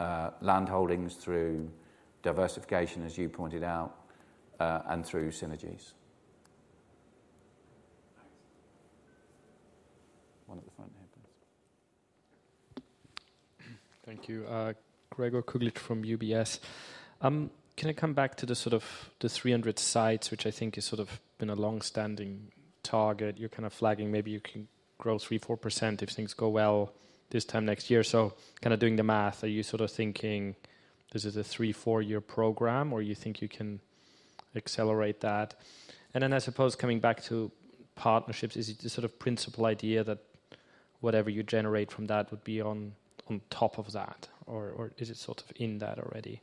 landholdings, through diversification, as you pointed out, and through synergies. Thanks. One at the front here, please. Thank you. Gregor Kuglitsch from UBS. Can I come back to the sort of the 300 sites, which I think is sort of been a long-standing target? You're kind of flagging maybe you can grow 3-4% if things go well this time next year. So kind of doing the math, are you sort of thinking this is a 3-4-year program, or you think you can accelerate that? And then, I suppose coming back to partnerships, is it the sort of principal idea that whatever you generate from that would be on, on top of that, or, or is it sort of in that already?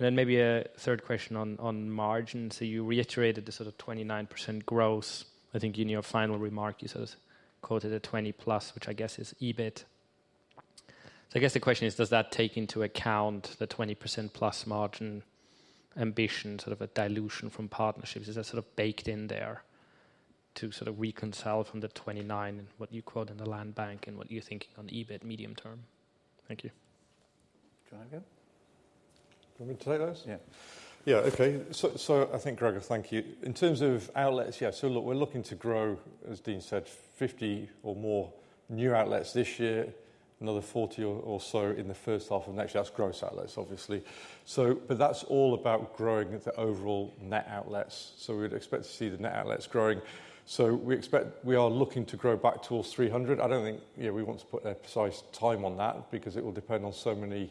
And then maybe a third question on, on margin. So you reiterated the sort of 29% gross. I think in your final remark, you sort of quoted a 20+, which I guess is EBIT. So I guess the question is: Does that take into account the 20%+ margin ambition, sort of a dilution from partnerships? Is that sort of baked in there to sort of reconcile from the 29, and what you quote in the land bank, and what you're thinking on the EBIT medium term? Thank you. Do you want to go? You want me to take those? Yeah. Yeah, okay. So, so I think, Gregor, thank you. In terms of outlets, yeah, so look, we're looking to grow, as Dean said, 50 or more new outlets this year, another 40 or so in the first half of next year. That's gross outlets, obviously. So, but that's all about growing the overall net outlets, so we'd expect to see the net outlets growing. So we expect, we are looking to grow back towards 300. I don't think, you know, we want to put a precise time on that because it will depend on so many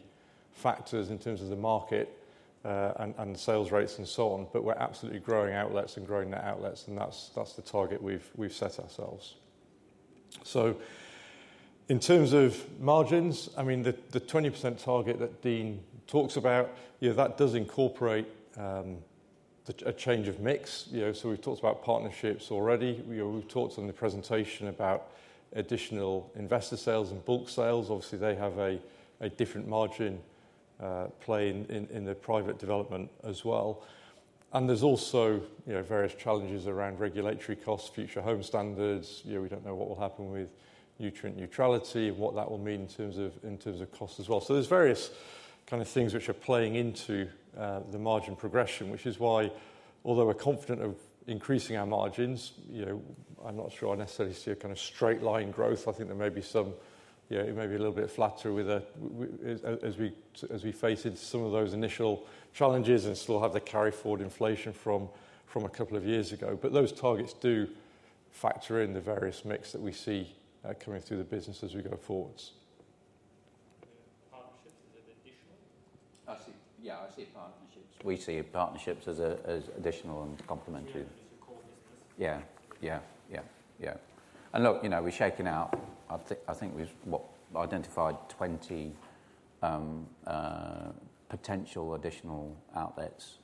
factors in terms of the market, and sales rates and so on, but we're absolutely growing outlets and growing the outlets, and that's, that's the target we've, we've set ourselves. So in terms of margins, I mean, the 20% target that Dean talks about, you know, that does incorporate a change of mix. You know, so we've talked about partnerships already. We've talked in the presentation about additional investor sales and bulk sales. Obviously, they have a different margin play in the private development as well. And there's also, you know, various challenges around regulatory costs, Future Homes Standard. You know, we don't know what will happen with nutrient neutrality and what that will mean in terms of cost as well. So there's various kind of things which are playing into the margin progression, which is why, although we're confident of increasing our margins, you know, I'm not sure I necessarily see a kind of straight line growth. I think there may be some, you know, it may be a little bit flatter as we face into some of those initial challenges and still have the carry forward inflation from a couple of years ago, but those targets do factor in the various mix that we see coming through the business as we go forwards. Partnerships, is it additional? I see, yeah, I see partnerships. We see partnerships as a, as additional and complementary. Yeah, as a core business? Yeah. Yeah, yeah, yeah. And look, you know, we're shaking out. I think we've identified 20 potential additional outlets,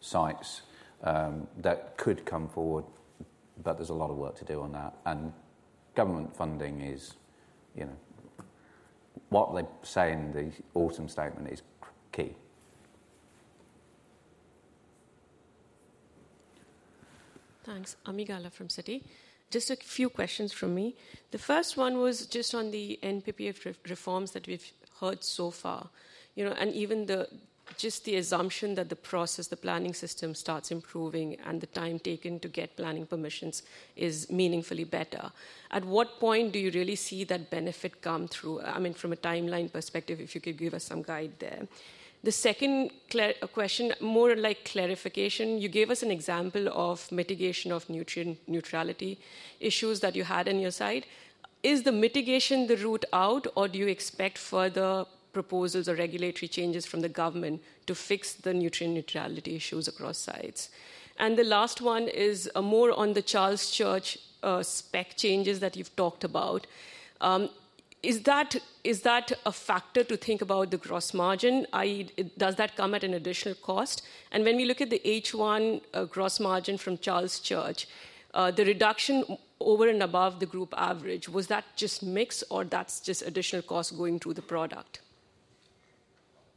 sites, that could come forward, but there's a lot of work to do on that. And government funding is, you know, what they say in the Autumn Statement is key. Thanks. Ami Galla from Citi. Just a few questions from me. The first one was just on the NPPF reforms that we've heard so far. You know, and even the, just the assumption that the process, the planning system, starts improving, and the time taken to get planning permissions is meaningfully better. At what point do you really see that benefit come through? I mean, from a timeline perspective, if you could give us some guide there. The second question, more like clarification: You gave us an example of mitigation of nutrient neutrality issues that you had on your site. Is the mitigation the route out, or do you expect further proposals or regulatory changes from the government to fix the nutrient neutrality issues across sites? And the last one is, more on the Charles Church spec changes that you've talked about. Is that, is that a factor to think about the gross margin, i.e., does that come at an additional cost? When we look at the H1 gross margin from Charles Church, the reduction over and above the group average, was that just mix, or that's just additional cost going to the product?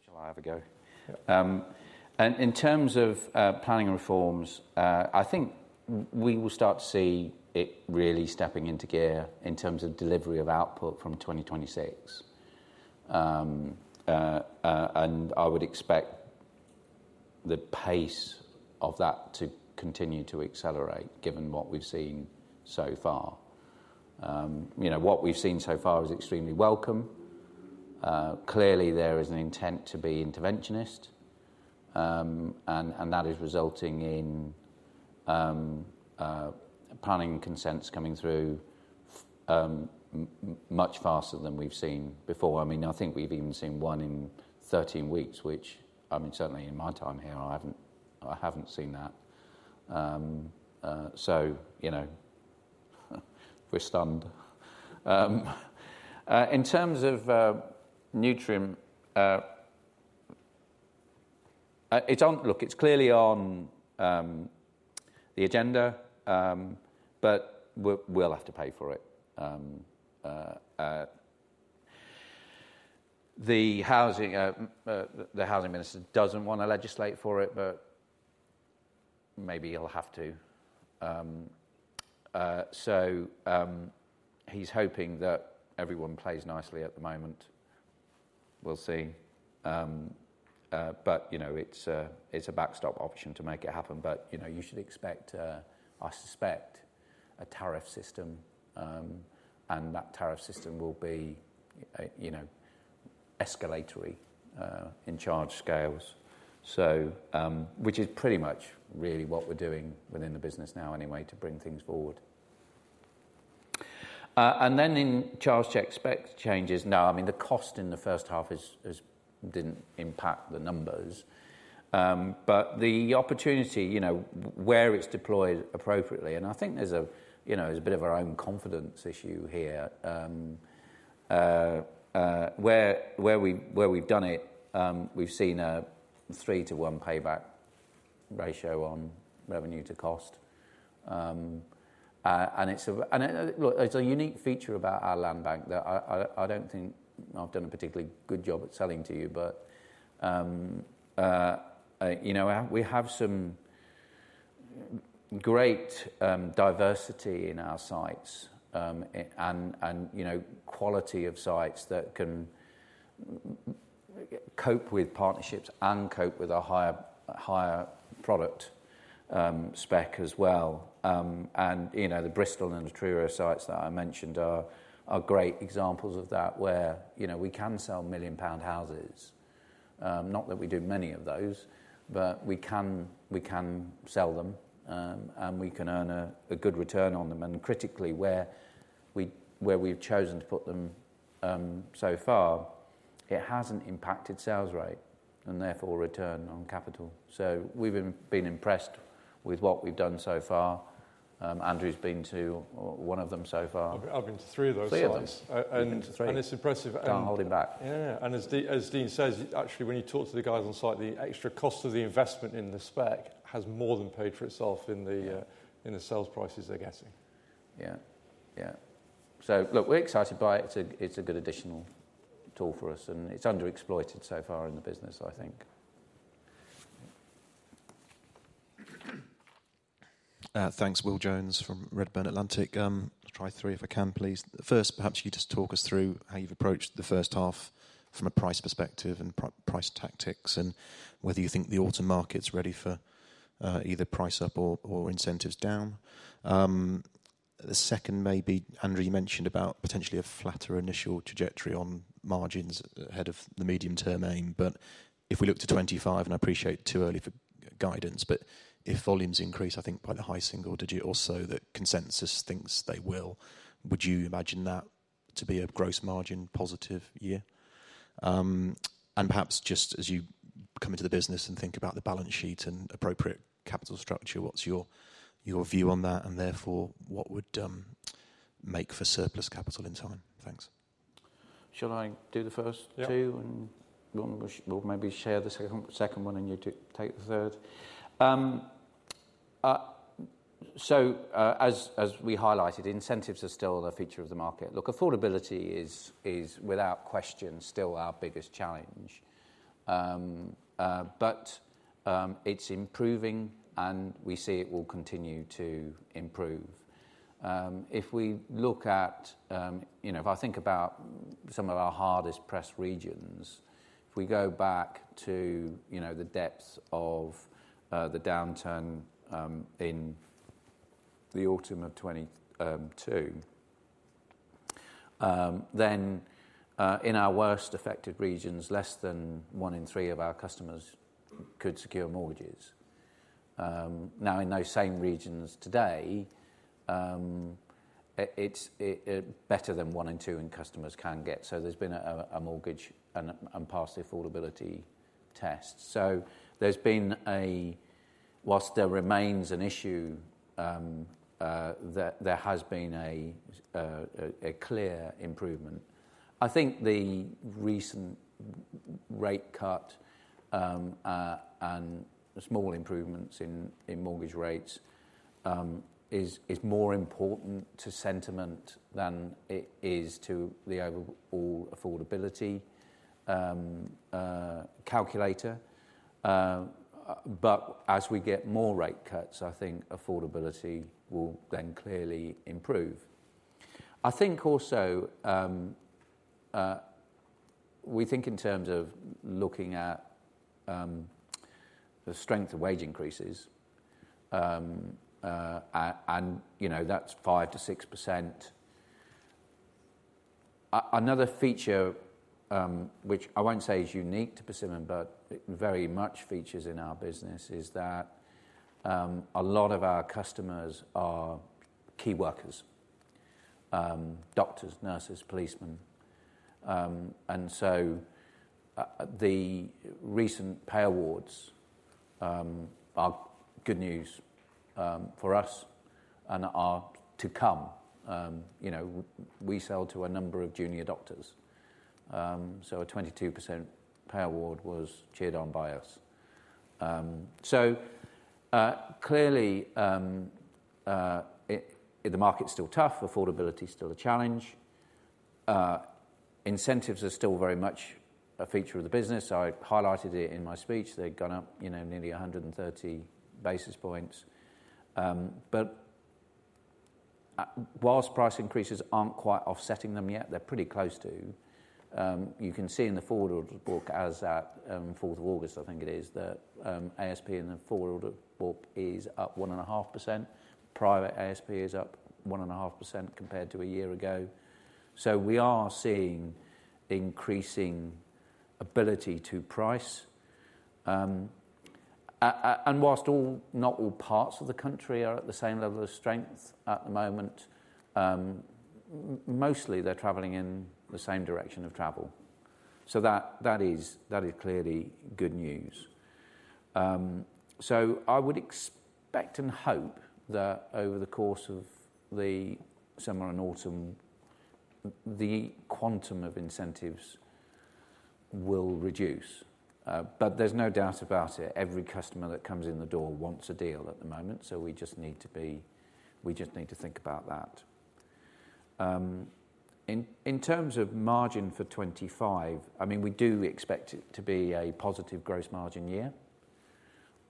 Shall I have a go? In terms of planning reforms, I think we will start to see it really stepping into gear in terms of delivery of output from 2026. I would expect the pace of that to continue to accelerate, given what we've seen so far. You know, what we've seen so far is extremely welcome. Clearly, there is an intent to be interventionist, and that is resulting in planning consents coming through much faster than we've seen before. I mean, I think we've even seen one in 13 weeks, which, I mean, certainly in my time here, I haven't seen that. So, you know, we're stunned. In terms of nutrient, look, it's clearly on the agenda, but we'll have to pay for it. The Housing Minister doesn't want to legislate for it, but maybe he'll have to. So, he's hoping that everyone plays nicely at the moment. We'll see. But, you know, it's a backstop option to make it happen. But, you know, you should expect, I suspect, a tariff system, and that tariff system will be, you know, escalatory, in charge scales. So, which is pretty much really what we're doing within the business now anyway, to bring things forward. And then in Charles Church spec changes, no, I mean, the cost in the first half didn't impact the numbers. But the opportunity, you know, where it's deployed appropriately, and I think there's a bit of our own confidence issue here. Where we've done it, we've seen a 3-to-1 payback ratio on revenue to cost. And look, it's a unique feature about our land bank that I don't think I've done a particularly good job at selling to you. But you know, we have some great diversity in our sites, and you know, quality of sites that can cope with partnerships and cope with a higher product spec as well. And you know, the Bristol and the Truro sites that I mentioned are great examples of that, where you know, we can sell million-pound houses. Not that we do many of those, but we can, we can sell them, and we can earn a good return on them. And critically, where we've chosen to put them so far, it hasn't impacted sales rate and therefore return on capital. So we've been impressed with what we've done so far. Andrew's been to one of them so far. I've been to three of those sites. Three of them. And you've been to three. It's impressive. I'm holding back. Yeah. As Dean says, actually, when you talk to the guys on site, the extra cost of the investment in the spec has more than paid for itself in the sales prices they're getting. Yeah. Yeah. So look, we're excited by it. It's a, it's a good additional tool for us, and it's underexploited so far in the business, I think. Thanks. Will Jones from Redburn Atlantic. Try three, if I can, please. First, perhaps you just talk us through how you've approached the first half from a price perspective and price tactics, and whether you think the outlet market's ready for either price up or incentives down. The second may be, Andrew, you mentioned about potentially a flatter initial trajectory on margins ahead of the medium-term aim. But if we look to 2025, and I appreciate too early for guidance, but if volumes increase, I think, by the high single digit or so, the consensus thinks they will, would you imagine that to be a gross margin positive year? And perhaps just as you come into the business and think about the balance sheet and appropriate capital structure, what's your, your view on that, and therefore, what would make for surplus capital in time? Thanks. Shall I do the first two? Yeah. And then we'll maybe share the second one, and you take the third. So, as we highlighted, incentives are still a feature of the market. Look, affordability is, without question, still our biggest challenge. But it's improving, and we see it will continue to improve. If we look at, you know, if I think about some of our hardest pressed regions, if we go back to, you know, the depths of the downturn, in the autumn of 2022, then in our worst affected regions, less than one in three of our customers could secure mortgages. Now, in those same regions today, it's better than one in two, and customers can get, so there's been a mortgage and pass the affordability test. So there's been a whilst there remains an issue, there has been a clear improvement. I think the recent rate cut and small improvements in mortgage rates is more important to sentiment than it is to the overall affordability calculator. But as we get more rate cuts, I think affordability will then clearly improve. I think also we think in terms of looking at the strength of wage increases and, you know, that's 5%-6%. Another feature, which I won't say is unique to Persimmon, but it very much features in our business, is that a lot of our customers are key workers, doctors, nurses, policemen. And so the recent pay awards are good news for us and are to come. You know, we sell to a number of junior doctors, so a 22% pay award was cheered on by us. So, clearly, it, the market's still tough, affordability is still a challenge. Incentives are still very much a feature of the business. I highlighted it in my speech. They've gone up, you know, nearly 130 basis points. But, whilst price increases aren't quite offsetting them yet, they're pretty close to. You can see in the forward order book as at, fourth of August, I think it is, that, ASP in the forward order book is up 1.5%. Private ASP is up 1.5% compared to a year ago. So we are seeing increasing ability to price. And while not all parts of the country are at the same level of strength at the moment, mostly they're traveling in the same direction of travel. So that, that is, that is clearly good news. So I would expect and hope that over the course of the summer and autumn, the quantum of incentives will reduce. But there's no doubt about it, every customer that comes in the door wants a deal at the moment, so we just need to think about that. In terms of margin for 2025, I mean, we do expect it to be a positive gross margin year.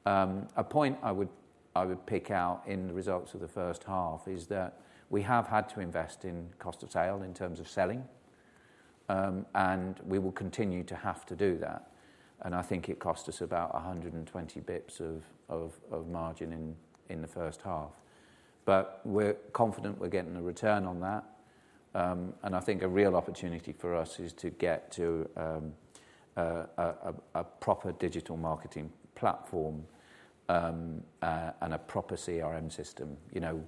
A point I would pick out in the results of the first half is that we have had to invest in cost of sale in terms of selling, and we will continue to have to do that, and I think it cost us about 120 basis points of margin in the first half. But we're confident we're getting a return on that, and I think a real opportunity for us is to get to a proper digital marketing platform, and a proper CRM system. You know,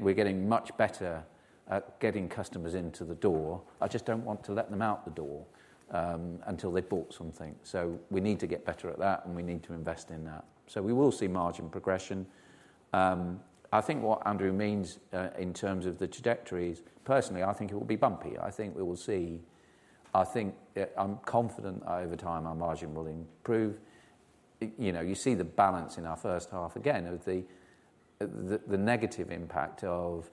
we're getting much better at getting customers into the door. I just don't want to let them out the door until they've bought something. So we need to get better at that, and we need to invest in that. So we will see margin progression. I think what Andrew means in terms of the trajectories, personally, I think it will be bumpy. I think we will see, I think, I'm confident over time our margin will improve. You know, you see the balance in our first half. Again, of the negative impact of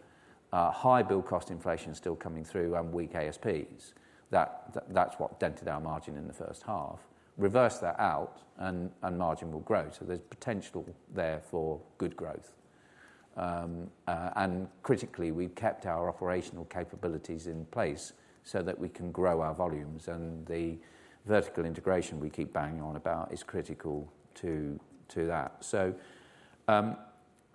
high build cost inflation still coming through and weak ASPs. That's what dented our margin in the first half. Reverse that out, and margin will grow, so there's potential there for good growth. And critically, we've kept our operational capabilities in place so that we can grow our volumes, and the vertical integration we keep banging on about is critical to that. So,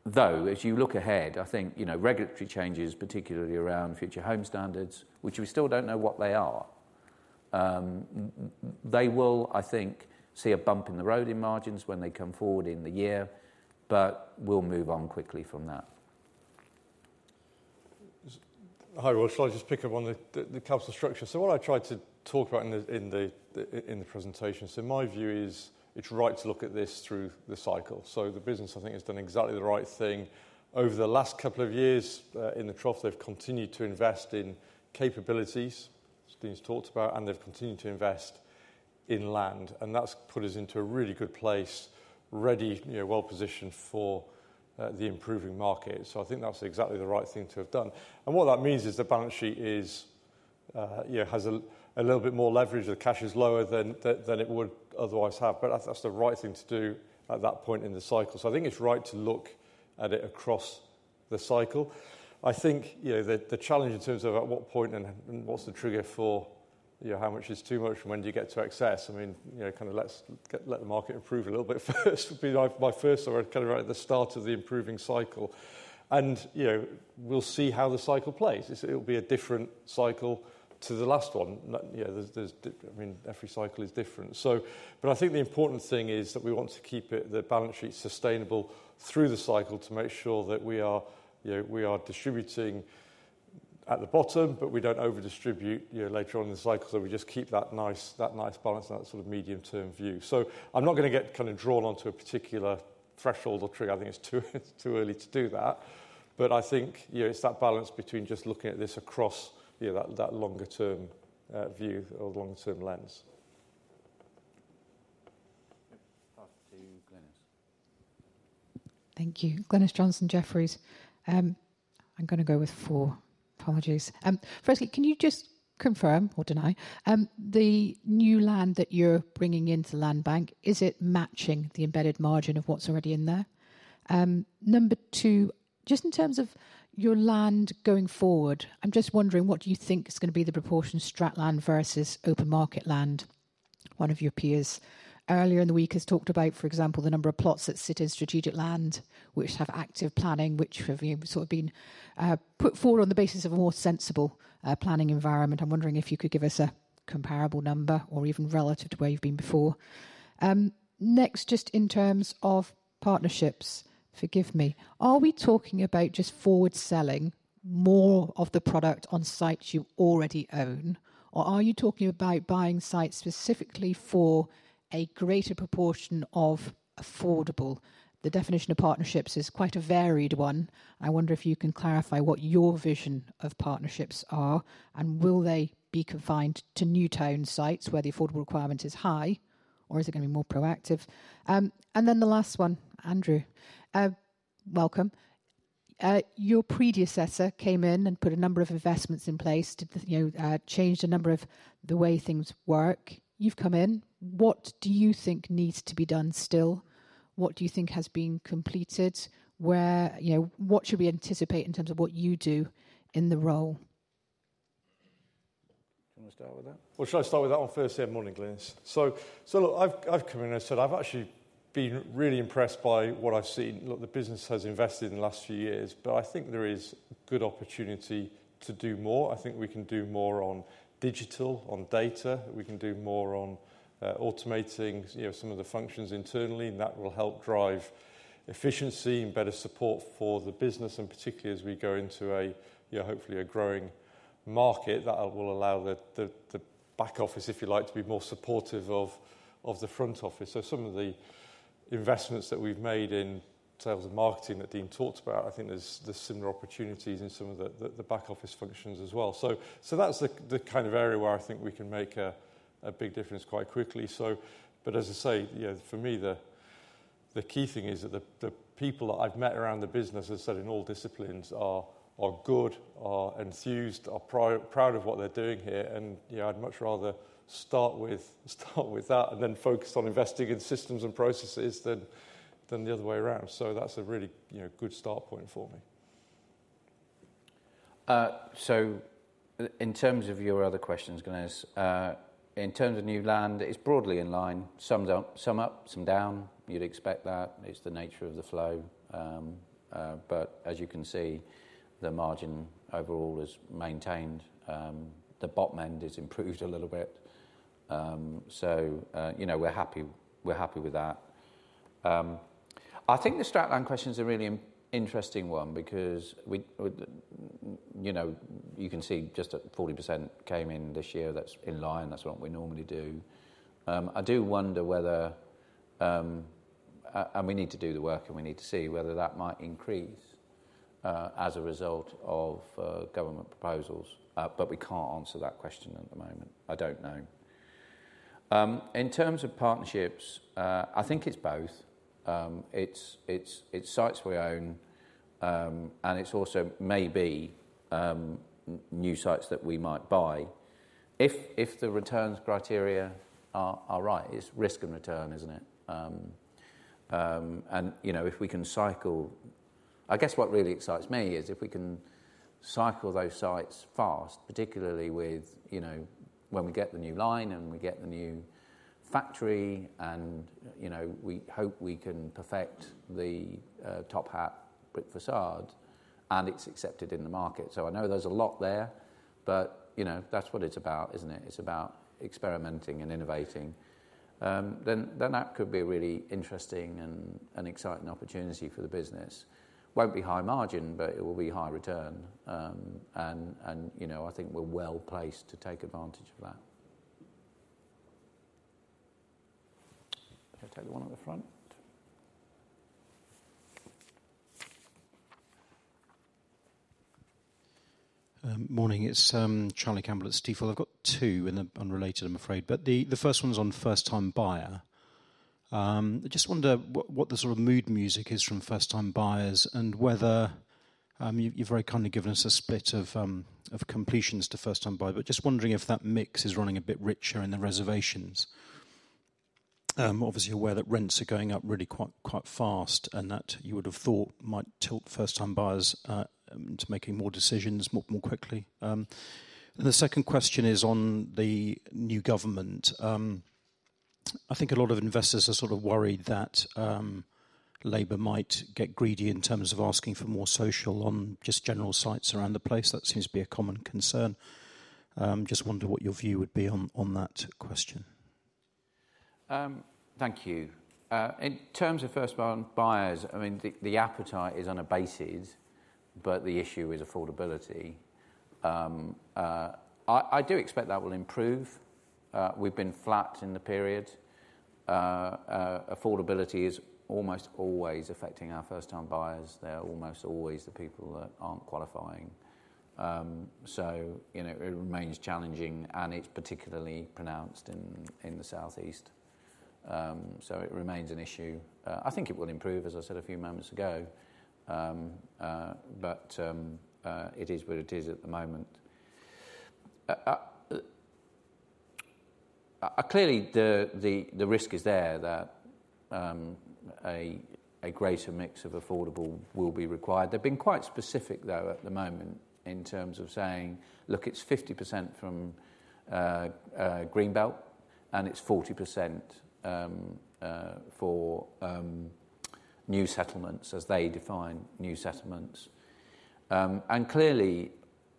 though, as you look ahead, I think, you know, regulatory changes, particularly around Future Homes Standard, which we still don't know what they are, they will, I think, see a bump in the road in margins when they come forward in the year, but we'll move on quickly from that. Hi, well, shall I just pick up on the capital structure? So what I tried to talk about in the presentation, so my view is it's right to look at this through the cycle. So the business, I think, has done exactly the right thing. Over the last couple of years, in the trough, they've continued to invest in capabilities, which Dean's talked about, and they've continued to invest in land, and that's put us into a really good place, ready, you know, well-positioned for the improving market. So I think that's exactly the right thing to have done. And what that means is the balance sheet is you know, has a little bit more leverage. The cash is lower than it would otherwise have, but that's the right thing to do at that point in the cycle. So I think it's right to look at it across the cycle. I think, you know, the challenge in terms of at what point and what's the trigger for, you know, how much is too much, and when do you get to excess? I mean, you know, kind of let the market improve a little bit first, would be my first thought, kind of right at the start of the improving cycle. And, you know, we'll see how the cycle plays. It'll be a different cycle to the last one. You know, there's, I mean, every cycle is different. So, but I think the important thing is that we want to keep it, the balance sheet sustainable through the cycle to make sure that we are, you know, we are distributing at the bottom, but we don't overdistribute, you know, later on in the cycle. So we just keep that nice, that nice balance and that sort of medium-term view. So I'm not gonna get kind of drawn onto a particular threshold or trigger. I think it's too, too early to do that. But I think, you know, it's that balance between just looking at this across, you know, that, that longer term view or long-term lens. Pass to Glynis. Thank you. Glynis Johnson, Jefferies. I'm gonna go with four. Apologies. Firstly, can you just confirm or deny the new land that you're bringing into the land bank, is it matching the embedded margin of what's already in there? Number two, just in terms of your land going forward, I'm just wondering, what do you think is gonna be the proportion strat land versus open market land? One of your peers earlier in the week has talked about, for example, the number of plots that sit in strategic land, which have active planning, which have, you know, sort of been put forward on the basis of a more sensible planning environment. I'm wondering if you could give us a comparable number or even relative to where you've been before. Next, just in terms of partnerships, forgive me, are we talking about just forward selling more of the product on sites you already own, or are you talking about buying sites specifically for a greater proportion of affordable? The definition of partnerships is quite a varied one. I wonder if you can clarify what your vision of partnerships are, and will they be confined to new town sites where the affordable requirement is high, or is it gonna be more proactive? And then the last one, Andrew, welcome. Your predecessor came in and put a number of investments in place to, you know, changed a number of the way things work. You've come in. What do you think needs to be done still? What do you think has been completed? Where, you know, what should we anticipate in terms of what you do in the role? Do you want to start with that? Well, should I start with that one? Firstly, good morning, Glynis. So, look, I've come in, and I said I've actually been really impressed by what I've seen. Look, the business has invested in the last few years, but I think there is good opportunity to do more. I think we can do more on digital, on data. We can do more on automating, you know, some of the functions internally, and that will help drive efficiency and better support for the business, and particularly as we go into a, you know, hopefully a growing market, that will allow the back office, if you like, to be more supportive of the front office. So some of the investments that we've made in terms of marketing that Dean talked about, I think there's similar opportunities in some of the back office functions as well. So that's the kind of area where I think we can make a big difference quite quickly, so. But as I say, you know, for me, the key thing is that the people that I've met around the business, as I said, in all disciplines, are good, are enthused, are proud of what they're doing here. And, you know, I'd much rather start with that and then focus on investing in systems and processes than the other way around. So that's a really, you know, good start point for me. So in terms of your other questions, Glynis, in terms of new land, it's broadly in line. Some don't, some up, some down. You'd expect that. It's the nature of the flow. But as you can see, the margin overall is maintained. The bottom end is improved a little bit. So, you know, we're happy, we're happy with that. I think the strat land question is a really interesting one because we, we, you know, you can see just that 40% came in this year. That's in line. That's what we normally do. I do wonder whether, and we need to do the work, and we need to see whether that might increase, as a result of, government proposals. But we can't answer that question at the moment. I don't know. In terms of partnerships, I think it's both. It's sites we own, and it's also maybe new sites that we might buy. If the returns criteria are right, it's risk and return, isn't it? And, you know, if we can cycle, I guess what really excites me is if we can cycle those sites fast, particularly with, you know, when we get the new line, and we get the new factory, and, you know, we hope we can perfect the TopHat brick facade, and it's accepted in the market. So I know there's a lot there, but, you know, that's what it's about, isn't it? It's about experimenting and innovating. Then that could be a really interesting and an exciting opportunity for the business. Won't be high margin, but it will be high return. And, you know, I think we're well placed to take advantage of that. I'll take the one at the front. Morning. It's Charlie Campbell at Stifel. I've got two, and they're unrelated, I'm afraid. But the first one is on first-time buyer.I just wonder what, what the sort of mood music is from first time buyers and whether, you've, you've very kindly given us a split of, of completions to first time buyer. But just wondering if that mix is running a bit richer in the reservations? Obviously aware that rents are going up really quite, quite fast, and that you would have thought might tilt first time buyers, into making more decisions more, more quickly. And the second question is on the new government. I think a lot of investors are sort of worried that, Labour might get greedy in terms of asking for more social on just general sites around the place. That seems to be a common concern. Just wonder what your view would be on, on that question. Thank you. In terms of first time buyers, I mean, the appetite is on a basis, but the issue is affordability. I do expect that will improve. We've been flat in the period. Affordability is almost always affecting our first time buyers. They're almost always the people that aren't qualifying. So, you know, it remains challenging, and it's particularly pronounced in the Southeast. So it remains an issue. I think it will improve, as I said a few moments ago. But it is what it is at the moment. Clearly, the risk is there that a greater mix of affordable will be required. They've been quite specific, though, at the moment, in terms of saying: Look, it's 50% from green belt, and it's 40% for new settlements, as they define new settlements. And clearly,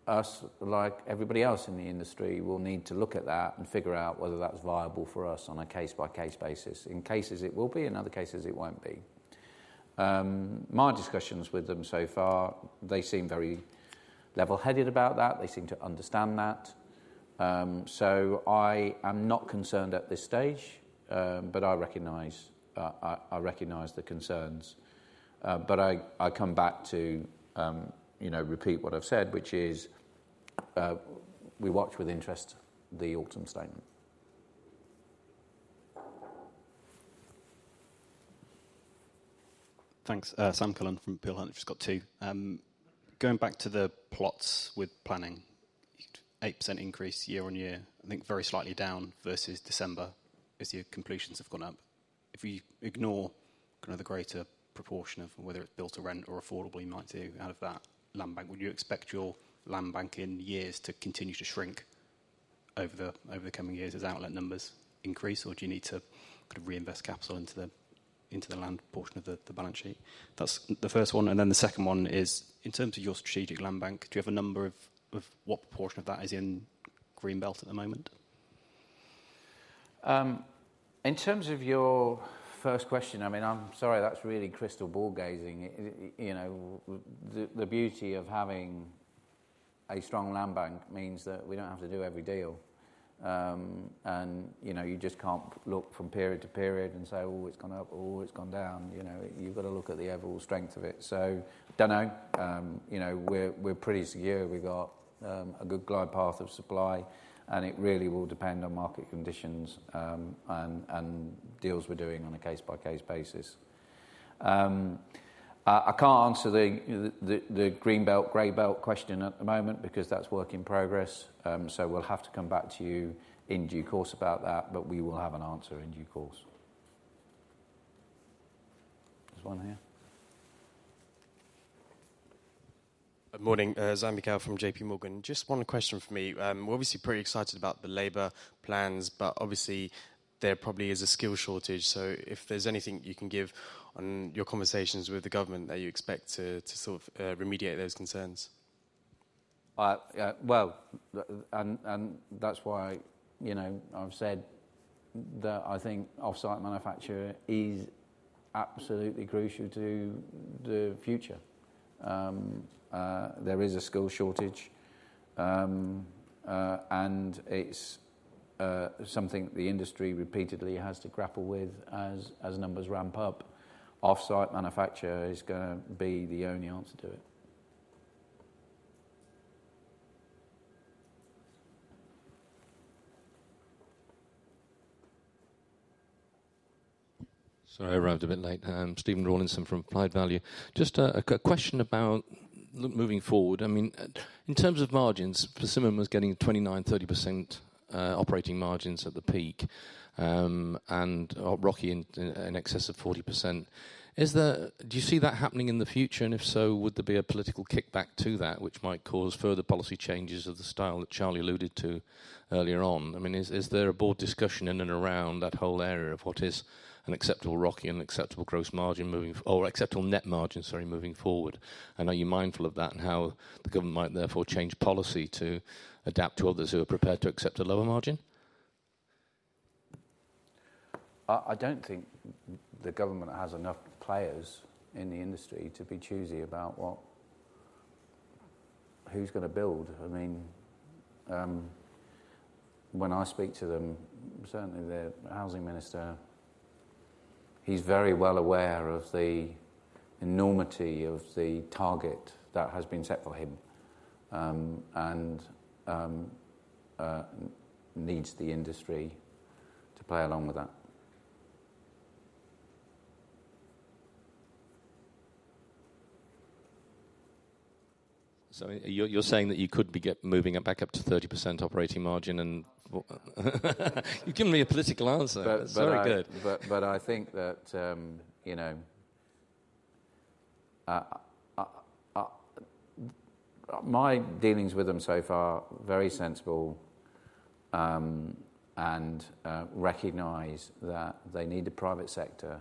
us, like everybody else in the industry, will need to look at that and figure out whether that's viable for us on a case-by-case basis. In some cases it will be, in other cases it won't be. My discussions with them so far, they seem very level-headed about that. They seem to understand that. So I am not concerned at this stage, but I recognize, I, I recognize the concerns. But I, I come back to, you know, repeat what I've said, which is, we watch with interest, the Autumn Statement. Thanks. Sam Cullen from Peel Hunt. Just got two. Going back to the plots with planning, 8% increase year-on-year, I think very slightly down versus December as your completions have gone up. If we ignore kind of the greater proportion of whether it's built to rent or affordable, you might do out of that land bank, would you expect your land bank in years to continue to shrink over the coming years as outlet numbers increase, or do you need to kind of reinvest capital into the land portion of the balance sheet? That's the first one, and then the second one is: In terms of your strategic land bank, do you have a number of what proportion of that is in Green Belt at the moment? In terms of your first question, I mean, I'm sorry, that's really crystal ball gazing. You know, the beauty of having a strong land bank means that we don't have to do every deal. And, you know, you just can't look from period to period and say, oh, it's gone up, or it's gone down. You know, you've got to look at the overall strength of it. So don't know. You know, we're pretty secure. We've got a good glide path of supply, and it really will depend on market conditions, and deals we're doing on a case-by-case basis. I can't answer the Green Belt, Grey Belt question at the moment because that's work in progress. So we'll have to come back to you in due course about that, but we will have an answer in due course. There's one here. Good morning, Charlotte Edwards from JPMorgan. Just one question from me. We're obviously pretty excited about the Labour plans, but obviously, there probably is a skill shortage. So if there's anything you can give on your conversations with the government that you expect to, to sort of, remediate those concerns. Yeah, well, that's why, you know, I've said that I think off-site manufacture is absolutely crucial to the future. There is a skill shortage, and it's something the industry repeatedly has to grapple with as numbers ramp up. Off-site manufacture is gonna be the only answer to it. Sorry, I arrived a bit late. Steven Rawlinson from Applied Value. Just a question about moving forward. I mean, in terms of margins, Persimmon was getting 29%-30% operating margins at the peak, and ROCE in excess of 40%. Is that? Do you see that happening in the future, and if so, would there be a political kickback to that, which might cause further policy changes of the style that Charlie alluded to earlier on? I mean, is there a board discussion in and around that whole area of what is an acceptable ROCE and acceptable gross margin moving forward, or acceptable net margin, sorry, moving forward? And are you mindful of that and how the government might therefore change policy to adapt to others who are prepared to accept a lower margin? I don't think the government has enough players in the industry to be choosy about what, who's gonna build. I mean, when I speak to them, certainly the housing minister, he's very well aware of the enormity of the target that has been set for him, and needs the industry to play along with that. So you're saying that you could be moving it back up to 30% operating margin and you've given me a political answer. But I. It's very good. But I think that, you know, my dealings with them so far, very sensible, and recognize that they need the private sector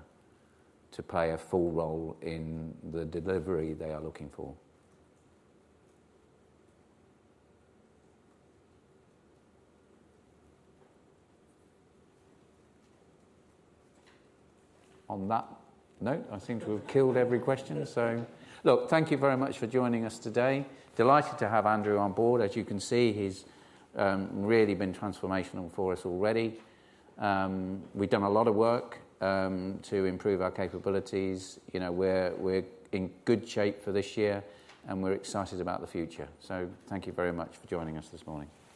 to play a full role in the delivery they are looking for. On that note, I seem to have killed every question. So look, thank you very much for joining us today. Delighted to have Andrew on board. As you can see, he's really been transformational for us already. We've done a lot of work to improve our capabilities. You know, we're in good shape for this year, and we're excited about the future. So thank you very much for joining us this morning.